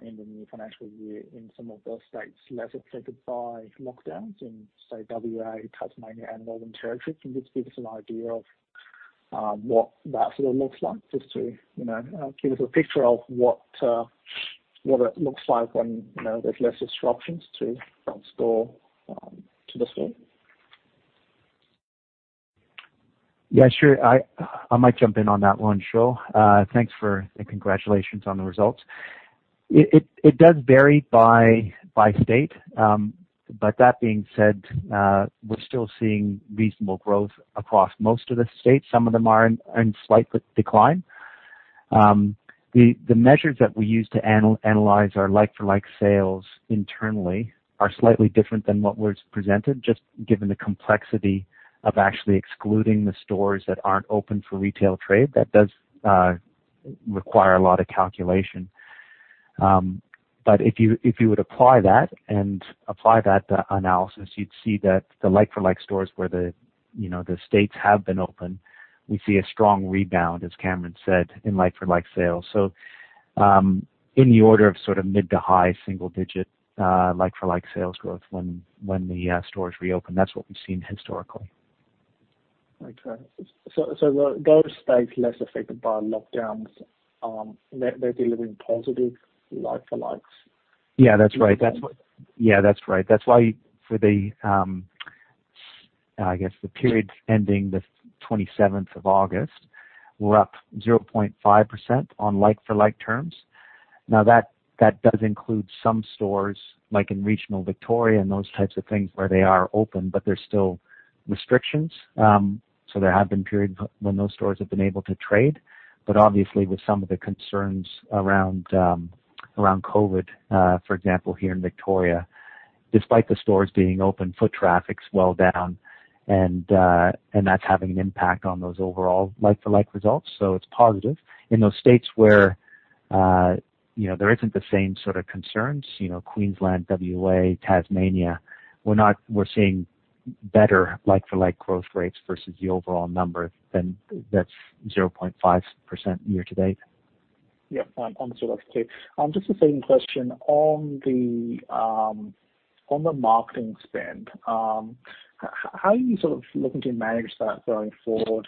in the new financial year in some of the states less affected by lockdowns in, say, WA, Tasmania, and Northern Territory, can you just give us an idea of what that sort of looks like, just to give us a picture of what it looks like when there are fewer disruptions to front store, to the store? Sure. I might jump in on that one, Shuo. Congratulations on the results. It does vary by state. That being said, we're still seeing reasonable growth across most of the states. Some of them are in slight decline. The measures that we use to analyze our like-for-like sales internally are slightly different than what was presented, just given the complexity of actually excluding the stores that aren't open for retail trade. That does require a lot of calculation. If you would apply that and apply that analysis, you'd see that the like-for-like stores where the states have been open, we see a strong rebound, as Cameron said, in like-for-like sales. In the order of sort of mid to high single-digit like-for-like sales growth when the stores reopen. That's what we've seen historically. Okay. Those states less affected by lockdowns, are they delivering positive like-for-likes? Yeah, that's right. That's why for the, I guess, period ending the 27th of August, we're up 0.5% on like-for-like terms. That does include some stores, like in regional Victoria and those types of things, where they are open, but there's still restrictions. There have been periods when those stores have been able to trade. Obviously with some of the concerns around COVID-19, for example, here in Victoria, despite the stores being open, foot traffic's well down, and that's having an impact on those overall like-for-like results. It's positive. In those states where there aren't the same sorts of concerns, Queensland, WA, and Tasmania, we're seeing better like-for-like growth rates versus the overall number than that 0.5% year to date. Yeah. Understood. Okay. Just the second question, on the marketing spend, how are you sort of looking to manage that going forward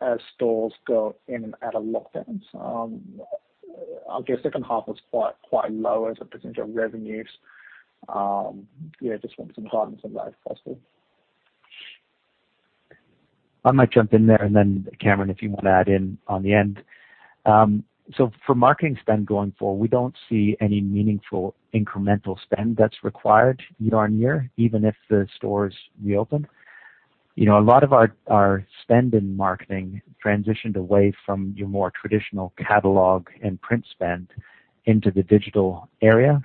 as stores go in and out of lockdowns? I guess the second half was quite low as a percentage of revenues. Yeah, just wanted some guidance on that, if possible. I might jump in there, Cameron, if you want to add in on the end. For marketing spend going forward, we don't see any meaningful incremental spend that's required year-on-year, even if the stores reopen. A lot of our spend in marketing transitioned away from your more traditional catalog and print spend into the digital area.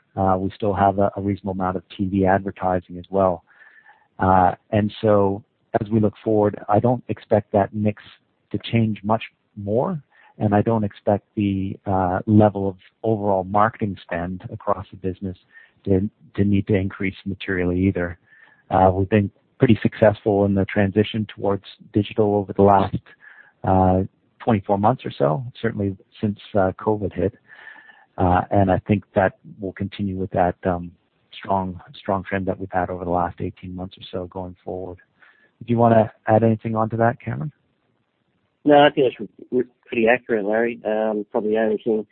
As we look forward, I don't expect that mix to change much more, and I don't expect the level of overall marketing spend across the business to need to increase materially either. We've been pretty successful in the transition towards digital over the last 24 months or so, certainly since COVID-19 hit. I think that we'll continue with that strong trend that we've had over the last 18 months or so going forward. Do you want to add anything onto that, Cameron? No, I think that's pretty accurate, Larry. Probably only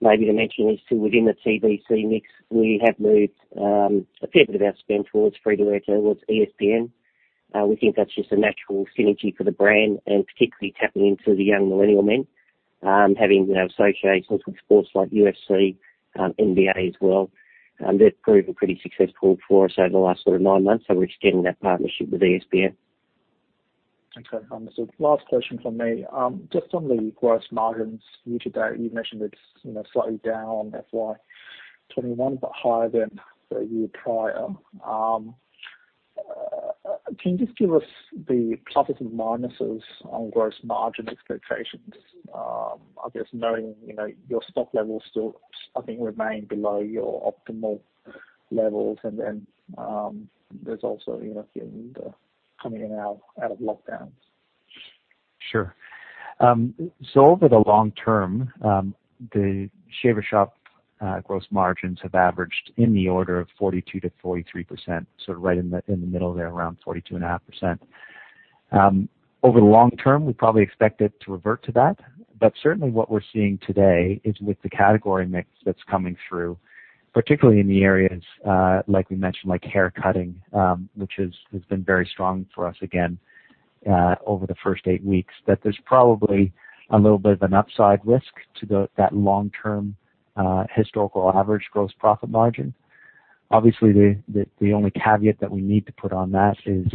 maybe to mention this too, within the TVC mix, we have moved a fair bit of our spend towards free-to-air towards ESPN. We think that's just a natural synergy for the brand, and particularly tapping into the young millennial men, having associations with sports like UFC and NBA as well. That's proven pretty successful for us over the last sort of nine months, so we're extending that partnership with ESPN. Last question from me. Just on the gross margins year to date, you mentioned it's slightly down FY 2021 but higher than the year prior. Can you just give us the pluses and minuses on gross margin expectations? I guess knowing your stock levels still, I think, remain below your optimal levels. Then, there's also feeling the coming in and out of lockdowns. Sure. Over the long term, the Shaver Shop's gross margins have averaged in the order of 42%-43%, right in the middle there, around 42.5%. Over the long term, we probably expect it to revert to that. Certainly, what we're seeing today is with the category mix that's coming through, particularly in the areas like we mentioned, like haircutting, which has been very strong for us again over the first eight weeks, so there's probably a little bit of an upside risk to that long-term historical average gross profit margin. Obviously, the only caveat that we need to put on that is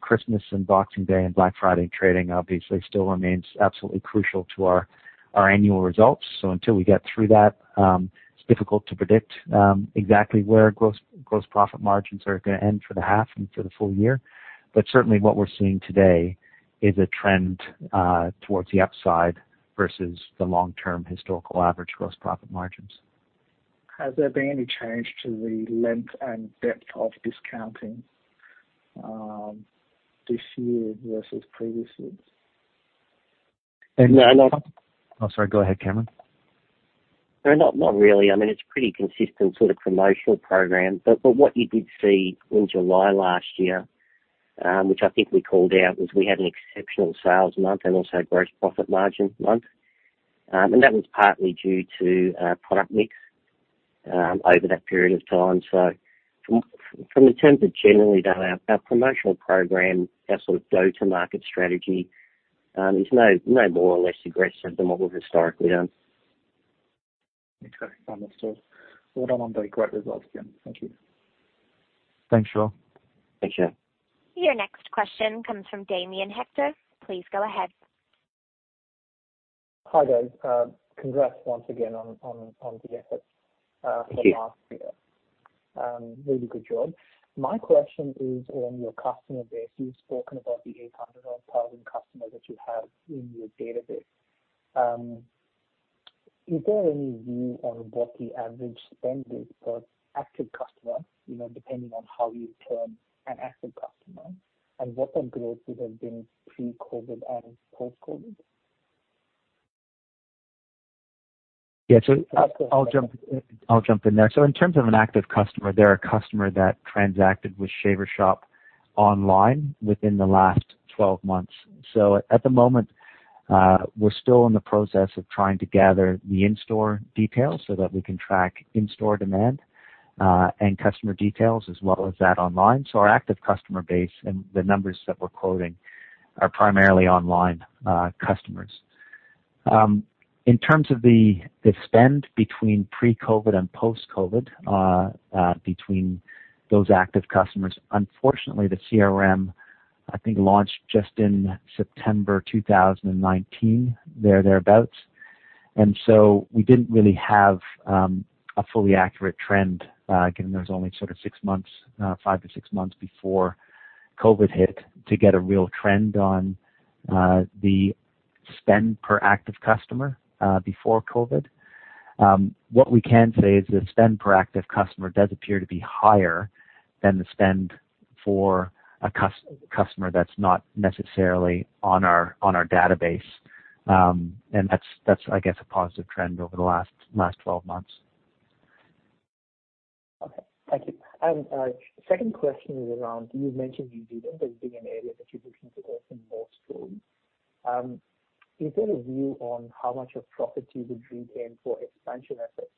Christmas and Boxing Day and Black Friday trading obviously still remain absolutely crucial to our annual results. Until we get through that, it's difficult to predict exactly where gross profit margins are going to end for the half and for the full year. Certainly what we're seeing today is a trend towards the upside versus the long-term historical average gross profit margins. Has there been any change to the length and depth of discounting this year versus previously? And- No. Oh, sorry. Go ahead, Cameron. No, not really. It's a pretty consistent sort of promotional program. What you did see in July last year, which I think we called out, was we had an exceptional sales month and also a gross profit margin month. That was partly due to product mix over that period of time. From the terms of generally, though, our promotional program, our sort of go-to-market strategy, is no more or less aggressive than what we've historically done. Okay. Wonderful. Well done on the great results again. Thank you. Thanks, Shuo. Thank you. Your next question comes from Damian Hector. Please go ahead. Hi, guys. Congrats once again on the efforts for the last year. Thank you. Really good job. My question is on your customer base. You've spoken about the 800,000-odd customers that you have in your database. Is there any view on what the average spend is for active customers, depending on how you term an active customer, and what the growth would have been pre-COVID and post-COVID? I'll jump in there. In terms of an active customer, they're a customer that transacted with Shaver Shop online within the last 12 months. At the moment, we're still in the process of trying to gather the in-store details so that we can track in-store demand and customer details as well as those online. Our active customer base and the numbers that we're quoting are primarily online customers. In terms of the spend between pre-COVID and post-COVID, between those active customers, unfortunately, the CRM, I think, launched just in September 2019, there or thereabouts. We didn't really have a fully accurate trend, given there were only sort of six months, five to six months, before COVID hit, to get a real trend on the spend per active customer before COVID. What we can say is the spend per active customer does appear to be higher than the spend for a customer that's not necessarily on our database. That's, I guess, a positive trend over the last 12 months. Okay. Thank you. Second question is around you; you mentioned you did investigate an area that you're looking to open more stores in. Is there a view on how much profit you would retain for expansion efforts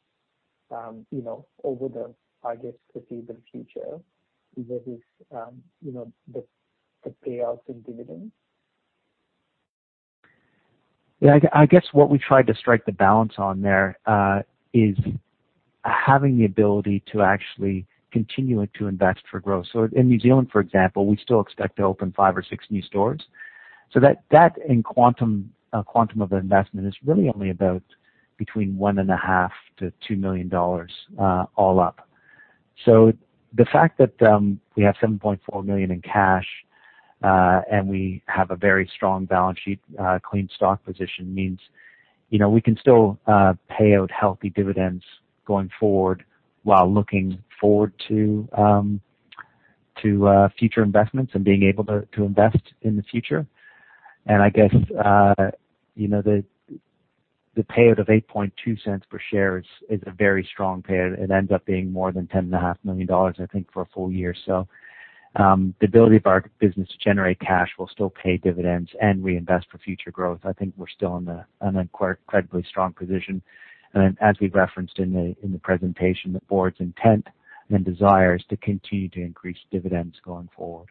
over the, I guess, foreseeable future versus the payouts and dividends? Yeah, I guess what we tried to strike the balance on there is having the ability to actually continue to invest in growth. In New Zealand, for example, we still expect to open five or six new stores. That quantum of investment is really only about between 1.5 million- 2 million dollars all up. The fact that we have 7.4 million in cash and we have a very strong balance sheet and clean stock position means we can still pay out healthy dividends going forward while looking forward to future investments and being able to invest in the future. I guess the payout of 0.082 per share is a very strong payout. It ends up being more than 10.5 million dollars, I think, for a full year. The ability of our business to generate cash will still pay dividends and reinvest for future growth. I think we're still in an incredibly strong position. As we referenced in the presentation, the board's intent and desire are to continue to increase dividends going forward.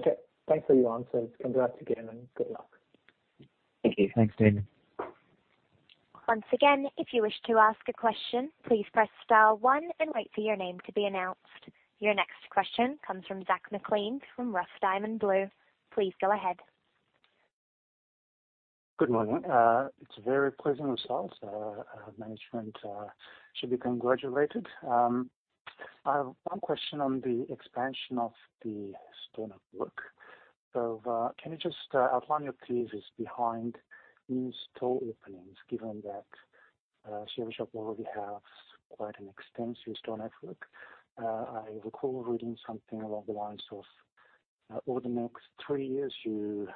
Okay. Thanks for your answers. Congrats again, and good luck. Thank you. Thanks, David. Once again, if you wish to ask a question, please press star one and wait for your name to be announced. Your next question comes from [Zach McLean] from Rough Diamond Blue. Please go ahead. Good morning. It's very pleasing results. Management should be congratulated. I have one question on the expansion of the store network. Can you just outline your thesis behind new store openings, given that Shaver Shop already has quite an extensive store network? I recall reading something along the lines of, over the next three years, you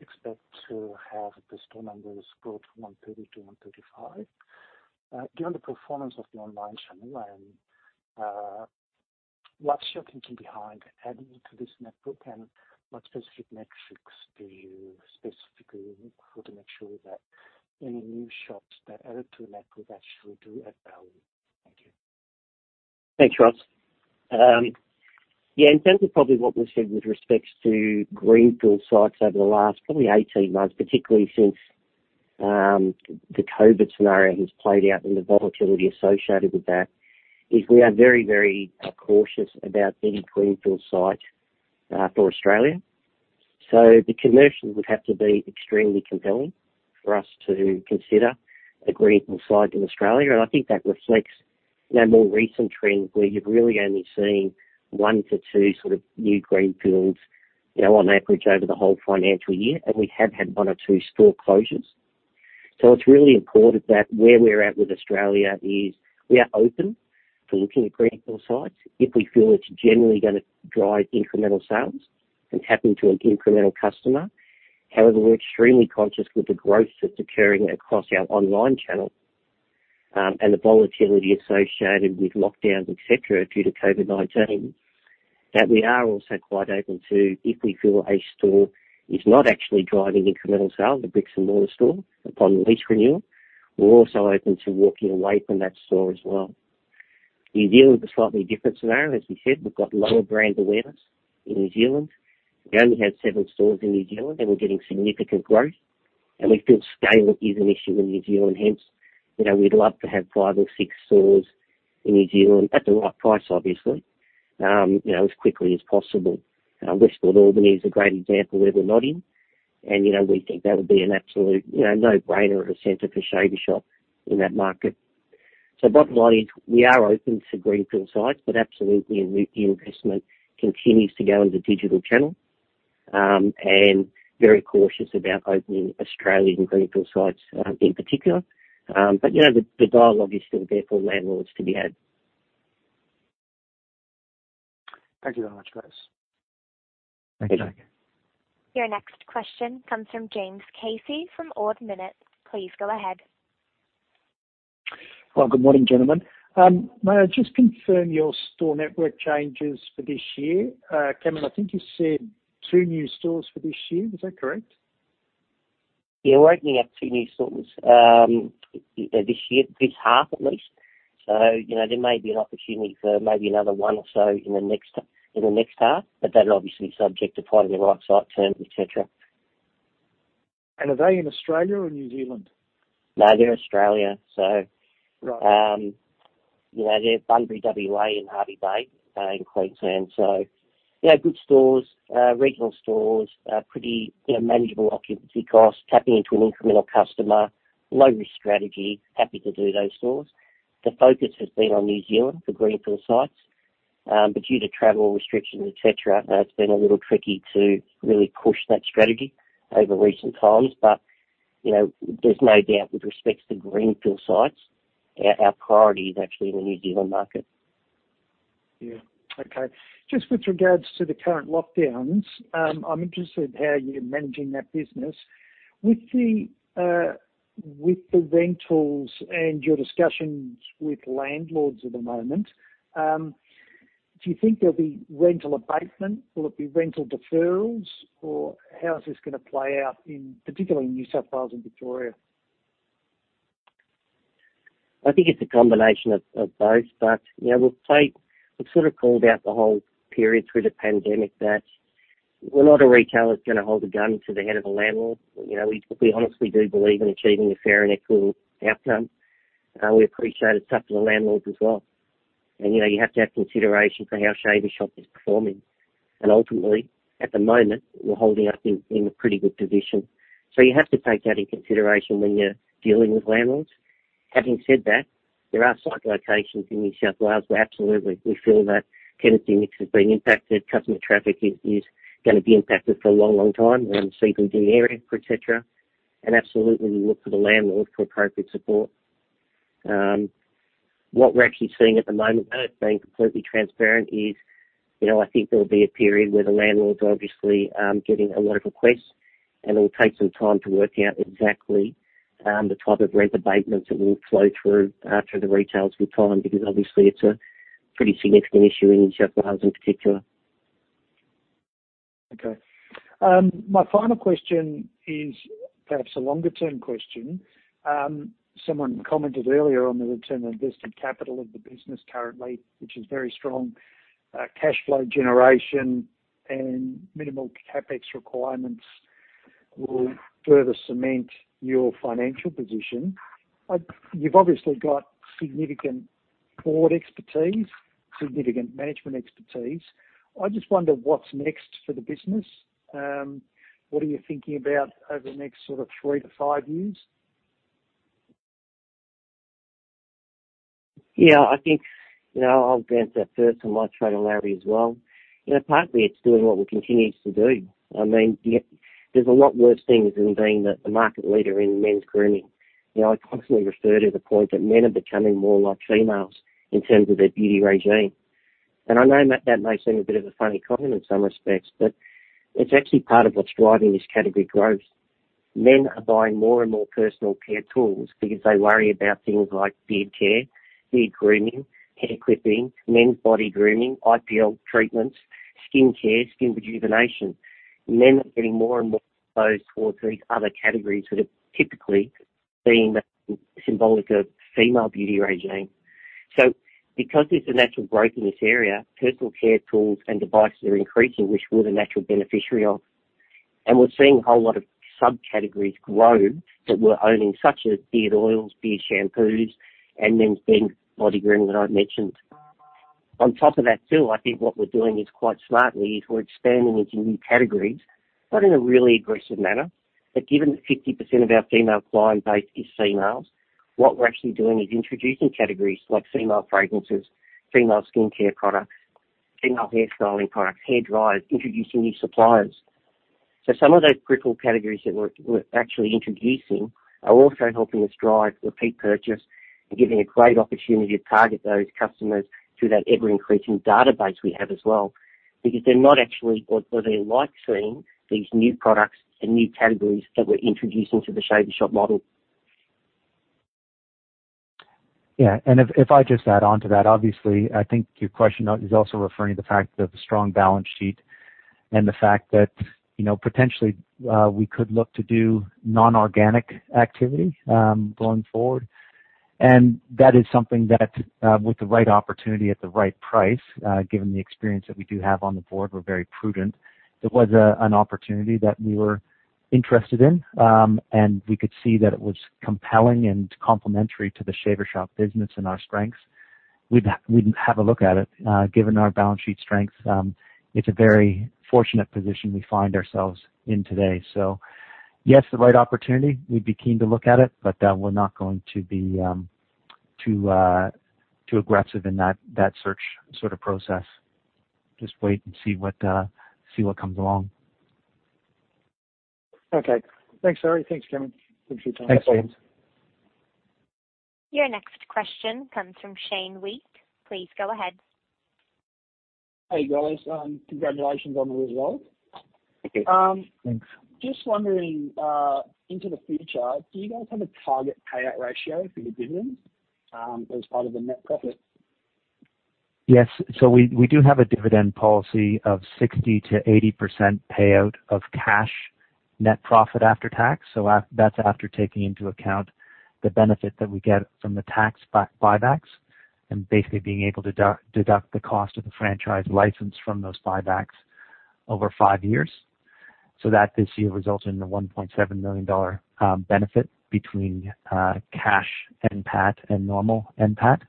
expect to have the store numbers grow from 130-135. Given the performance of the online channel, what's your thinking behind adding to this network, and what specific metrics do you specifically look for to make sure that any new shops that are added to the network actually do add value? Thank you. Thanks, Zach. Yeah, in terms of probably what we've said with respect to greenfield sites over the last probably 18 months, particularly since the COVID-19 scenario has played out and the volatility associated with that, we are very cautious about any greenfield site for Australia. The commercials would have to be extremely compelling for us to consider a greenfield site in Australia. I think that reflects more recent trends, where you've really only seen one to two sort of new greenfields on average over the whole financial year. We have had one or two store closures. It's really important that where we're at with Australia is we are open to looking at greenfield sites if we feel it's generally going to drive incremental sales and tap into an incremental customer. However, we're extremely conscious with the growth that's occurring across our online channel and the volatility associated with lockdowns, et cetera, due to COVID-19, so we are also quite open to, if we feel a store is not actually driving incremental sales, the bricks-and-mortar store, upon lease renewal, walking away from that store as well. In New Zealand it's a slightly different scenario. As we said, we've got lower brand awareness in New Zealand. We only have seven stores in New Zealand, and we're getting significant growth, and we feel scale is an issue in New Zealand. Hence, we'd love to have five or six stores in New Zealand at the right price, obviously as quickly as possible. Westfield Albany is a great example where we're not in, and we think that would be an absolute no-brainer of a center for Shaver Shop in that market. Bottom line is we are open to greenfield sites, but absolutely investment continues to go into digital channels, and very cautious about opening Australian greenfield sites in particular. The dialogue is still there for landlords to be had. Thank you very much, guys. Thanks. Thank you. Your next question comes from James Casey from Ord Minnett. Please go ahead. Well, good morning, gentlemen. May I just confirm your store network changes for this year? Cameron, I think you said two new stores for this year. Is that correct? Yeah, we're opening up two new stores this year, this half at least. There may be an opportunity for maybe another one or so in the next half, but that's obviously subject to finding the right site terms, et cetera. Are they in Australia or New Zealand? No, they're in Australia. Right. They're Bunbury, W.A., and Hervey Bay in Queensland. Good stores, regional stores, pretty manageable occupancy costs, tapping into an incremental customer, and a low-risk strategy. Happy to do those stores. The focus has been on New Zealand for greenfield sites. Due to travel restrictions, et cetera, it's been a little tricky to really push that strategy over recent times. There's no doubt with respect to greenfield sites; our priority is actually in the New Zealand market. Yeah. Okay. Just with regard to the current lockdowns, I'm interested in how you're managing that business. With the rentals and your discussions with landlords at the moment, do you think there'll be rental abatement? Will it be rental deferrals, or how is this going to play out, particularly in New South Wales and Victoria? I think it's a combination of both. We've sort of called out the whole period through the pandemic when we're not a retailer that's going to hold a gun to the head of a landlord. We honestly do believe in achieving a fair and equitable outcome. We appreciate it's tough for the landlords as well. You have to have consideration for how Shaver Shop is performing. Ultimately, at the moment, we're holding up in a pretty good position. You have to take that into consideration when you're dealing with landlords. Having said that, there are site locations in New South Wales where absolutely we feel that tenancy mix has been impacted, customer traffic is going to be impacted for a long time around the CBD area, et cetera, and absolutely we look to the landlord for appropriate support. What we're actually seeing at the moment, though, being completely transparent, is I think there will be a period where the landlords obviously are getting a lot of requests. It will take some time to work out exactly the type of rent abatements that will flow through to the retailers with time, because obviously it's a pretty significant issue in New South Wales in particular. My final question is perhaps a longer-term question. Someone commented earlier on the return on invested capital of the business currently, which is very strong. Cash flow generation and minimal CapEx requirements will further cement your financial position. You've obviously got significant board expertise and significant management expertise. I just wonder what's next for the business. What are you thinking about over the next sort of three-five years? Yeah, I think I'll grant that first to my friend Larry as well. Partly it's doing what we continue to do. There are a lot worse things than being the market leader in men's grooming. I constantly refer to the point that men are becoming more like females in terms of their beauty regime. I know that may seem a bit of a funny comment in some respects, but it's actually part of what's driving this category growth. Men are buying more and more personal care tools because they worry about things like beard care, beard grooming, hair clipping, men's body grooming, IPL treatments, skin care, and skin rejuvenation. Men are getting more and more exposed to these other categories that have typically been symbolic of female beauty regimes. Because there's a natural growth in this area, personal care tools and devices are increasing, which we are the natural beneficiary of. We're seeing a whole lot of subcategories grow that we're owning, such as beard oils, beard shampoos, and men's body grooming that I mentioned. On top of that too, I think what we're doing is, quite smartly, is we're expanding into new categories, but in a really aggressive manner. Given that 50% of our female client base are females, what we're actually doing is introducing categories like female fragrances, female skincare products, female hairstyling products, and hairdryers and introducing new suppliers. Some of those critical categories that we're actually introducing are also helping us drive repeat purchase and giving a great opportunity to target those customers through that ever-increasing database we have as well. Because they like seeing these new products and new categories that we're introducing to the Shaver Shop model. Yeah. If I just add on to that, obviously, I think your question is also referring to the strong balance sheet and the fact that potentially we could look to do non-organic activity going forward. That is something that, with the right opportunity at the right price, given the experience that we do have on the board, we're very prudent about. If there was an opportunity that we were interested in, and we could see that it was compelling and complementary to the Shaver Shop business and our strengths, we'd have a look at it. Given our balance sheet strength, it's a very fortunate position we find ourselves in today. Yes, with the right opportunity, we'd be keen to look at it, but we're not going to be too aggressive in that search sort of process. Just wait and see what comes along. Okay. Thanks, Larry. Thanks, Cam. Appreciate your time. Thanks, James. Your next question comes from Shane Weak. Please go ahead. Hey, guys. Congratulations on the result. Thank you. Thanks. Just wondering, into the future, do you guys have a target payout ratio for your dividends as part of the net profit? Yes. We do have a dividend policy of a 60%-80% payout of cash net profit after tax. That's after taking into account the benefit that we get from the tax buybacks and basically being able to deduct the cost of the franchise license from those buybacks over five years. That this year results in the 1.7 million dollar benefit between cash NPAT and normal NPAT.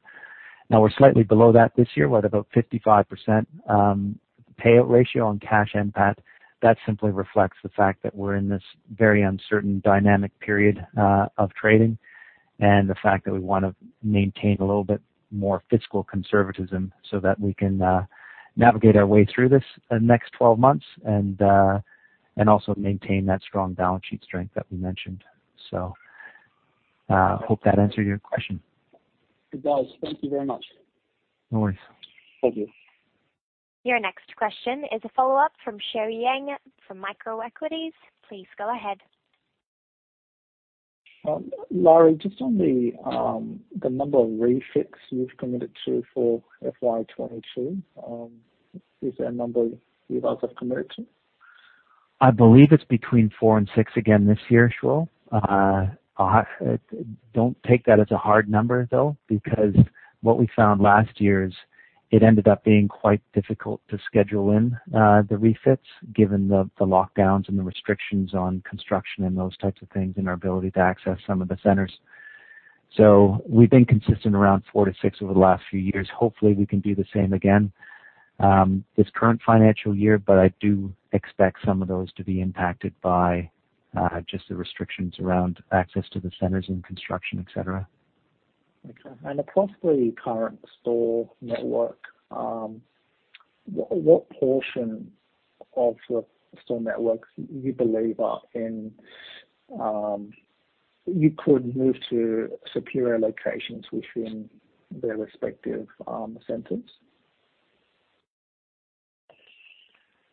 Now, we're slightly below that this year. We're at about 55% payout ratio on cash NPAT. That simply reflects the fact that we're in this very uncertain, dynamic period of trading and the fact that we want to maintain a little bit more fiscal conservatism so that we can navigate our way through these next 12 months and also maintain that strong balance sheet strength that we mentioned. Hope that answered your question. It does. Thank you very much. No worries. Thank you. Your next question is a follow-up from Shuo Yang from Microequities. Please go ahead. Larry, just on the number of refits you've committed to for FY 2022, is there a number you guys have committed to? I believe it's between four and six again this year, Shuo. Don't take that as a hard number, though, because what we found last year is it ended up being quite difficult to schedule in the refits given the lockdowns and the restrictions on construction and those types of things and our ability to access some of the centers. We've been consistent around four-six over the last few years. Hopefully, we can do the same again this current financial year. I do expect some of those to be impacted by just the restrictions around access to the centers and construction, et cetera. Okay. Across the current store network, what portion of the store networks do you believe you could move to superior locations within their respective centers?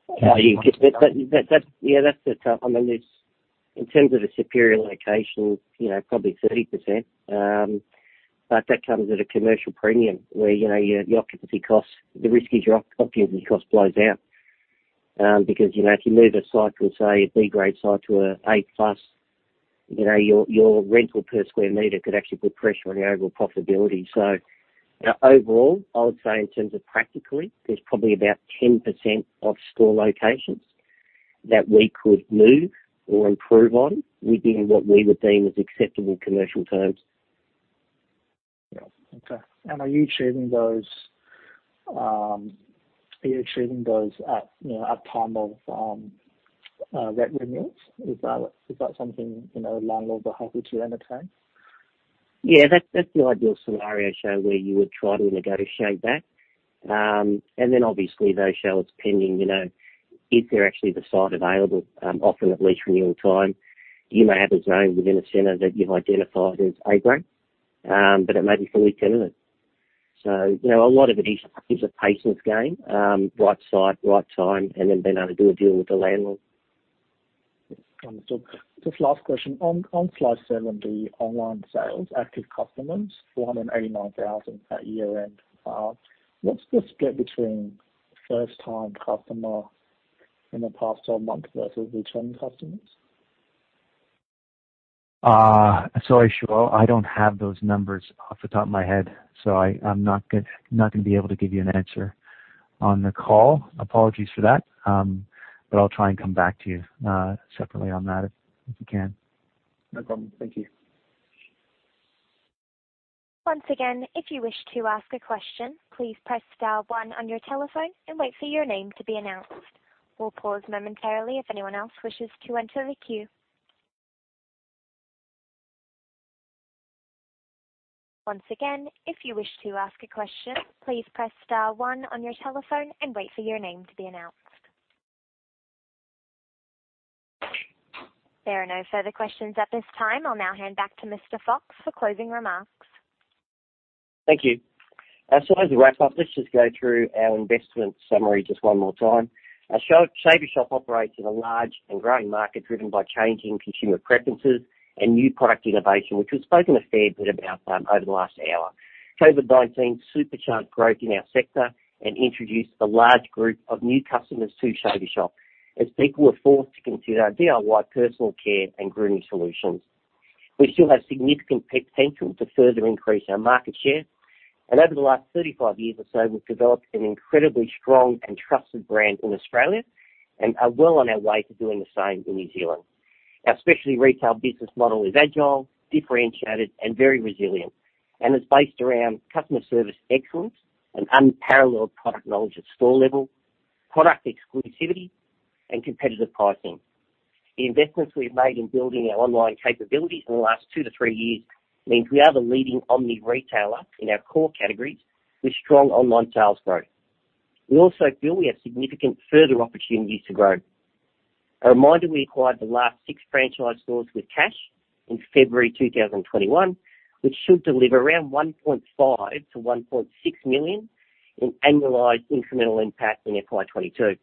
Yeah. In terms of a superior location, probably 30%. That comes at a commercial premium where the risk is your occupancy cost blowing out. If you move a site, say, a B-grade site to an A+, your rental per square meter could actually put pressure on your overall profitability. Overall, I would say in terms of practicality, there's probably about 10% of store locations that we could move or improve on within what we would deem as acceptable commercial terms. Yeah. Okay. Are you achieving those at the time of rent renewals? Is that something a landlord would be happy to entertain? Yeah. That's the ideal scenario, Shuo, where you would try to negotiate that. Obviously, though, Shuo, it's pending. Is the site actually available? Often at lease renewal time, you may have a zone within a center that you've identified as A-grade, but it may be fully tenanted. A lot of it is a patience game, right place, right time, and then being able to do a deal with the landlord. Understood. Just one last question. On slide 70, online sales, active customers: 189,000 at year-end. What's the split between first-time customers in the past 12 months versus returning customers? Sorry, Shuo, I don't have those numbers off the top of my head. I'm not going to be able to give you an answer on the call. Apologies for that. I'll try and come back to you separately on that if we can. No problem. Thank you. There are no further questions at this time. I'll now hand back to Mr. Fox for closing remarks. Thank you. As a wrap-up, let's just go through our investment summary just one more time. Shaver Shop operates in a large and growing market driven by changing consumer preferences and new product innovation, which we've spoken a fair bit about over the last hour. COVID-19 supercharged growth in our sector and introduced a large group of new customers to Shaver Shop as people were forced to consider DIY personal care and grooming solutions. We still have significant potential to further increase our market share. Over the last 35 years or so, we've developed an incredibly strong and trusted brand in Australia and are well on our way to doing the same in New Zealand. Our specialty retail business model is agile, differentiated, and very resilient and is based around customer service excellence and unparalleled product knowledge at store level, product exclusivity, and competitive pricing. The investments we've made in building our online capabilities in the last two to three years mean we are the leading omni-retailer in our core categories with strong online sales growth. We also feel we have significant further opportunities to grow. As a reminder, we acquired the last six franchise stores with cash in February 2021, which should deliver around 1.5 million-1.6 million in annualized incremental impact in FY 2022.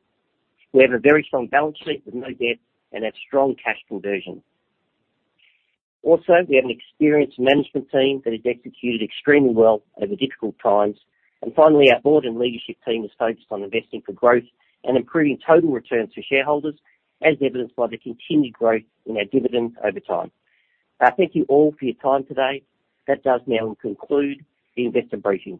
We have a very strong balance sheet with no debt and have strong cash conversion. Also, we have an experienced management team that has executed extremely well over difficult times. Finally, our board and leadership team are focused on investing for growth and improving total returns for shareholders, as evidenced by the continued growth in our dividend over time. Thank you all for your time today. That does now conclude the investor briefing.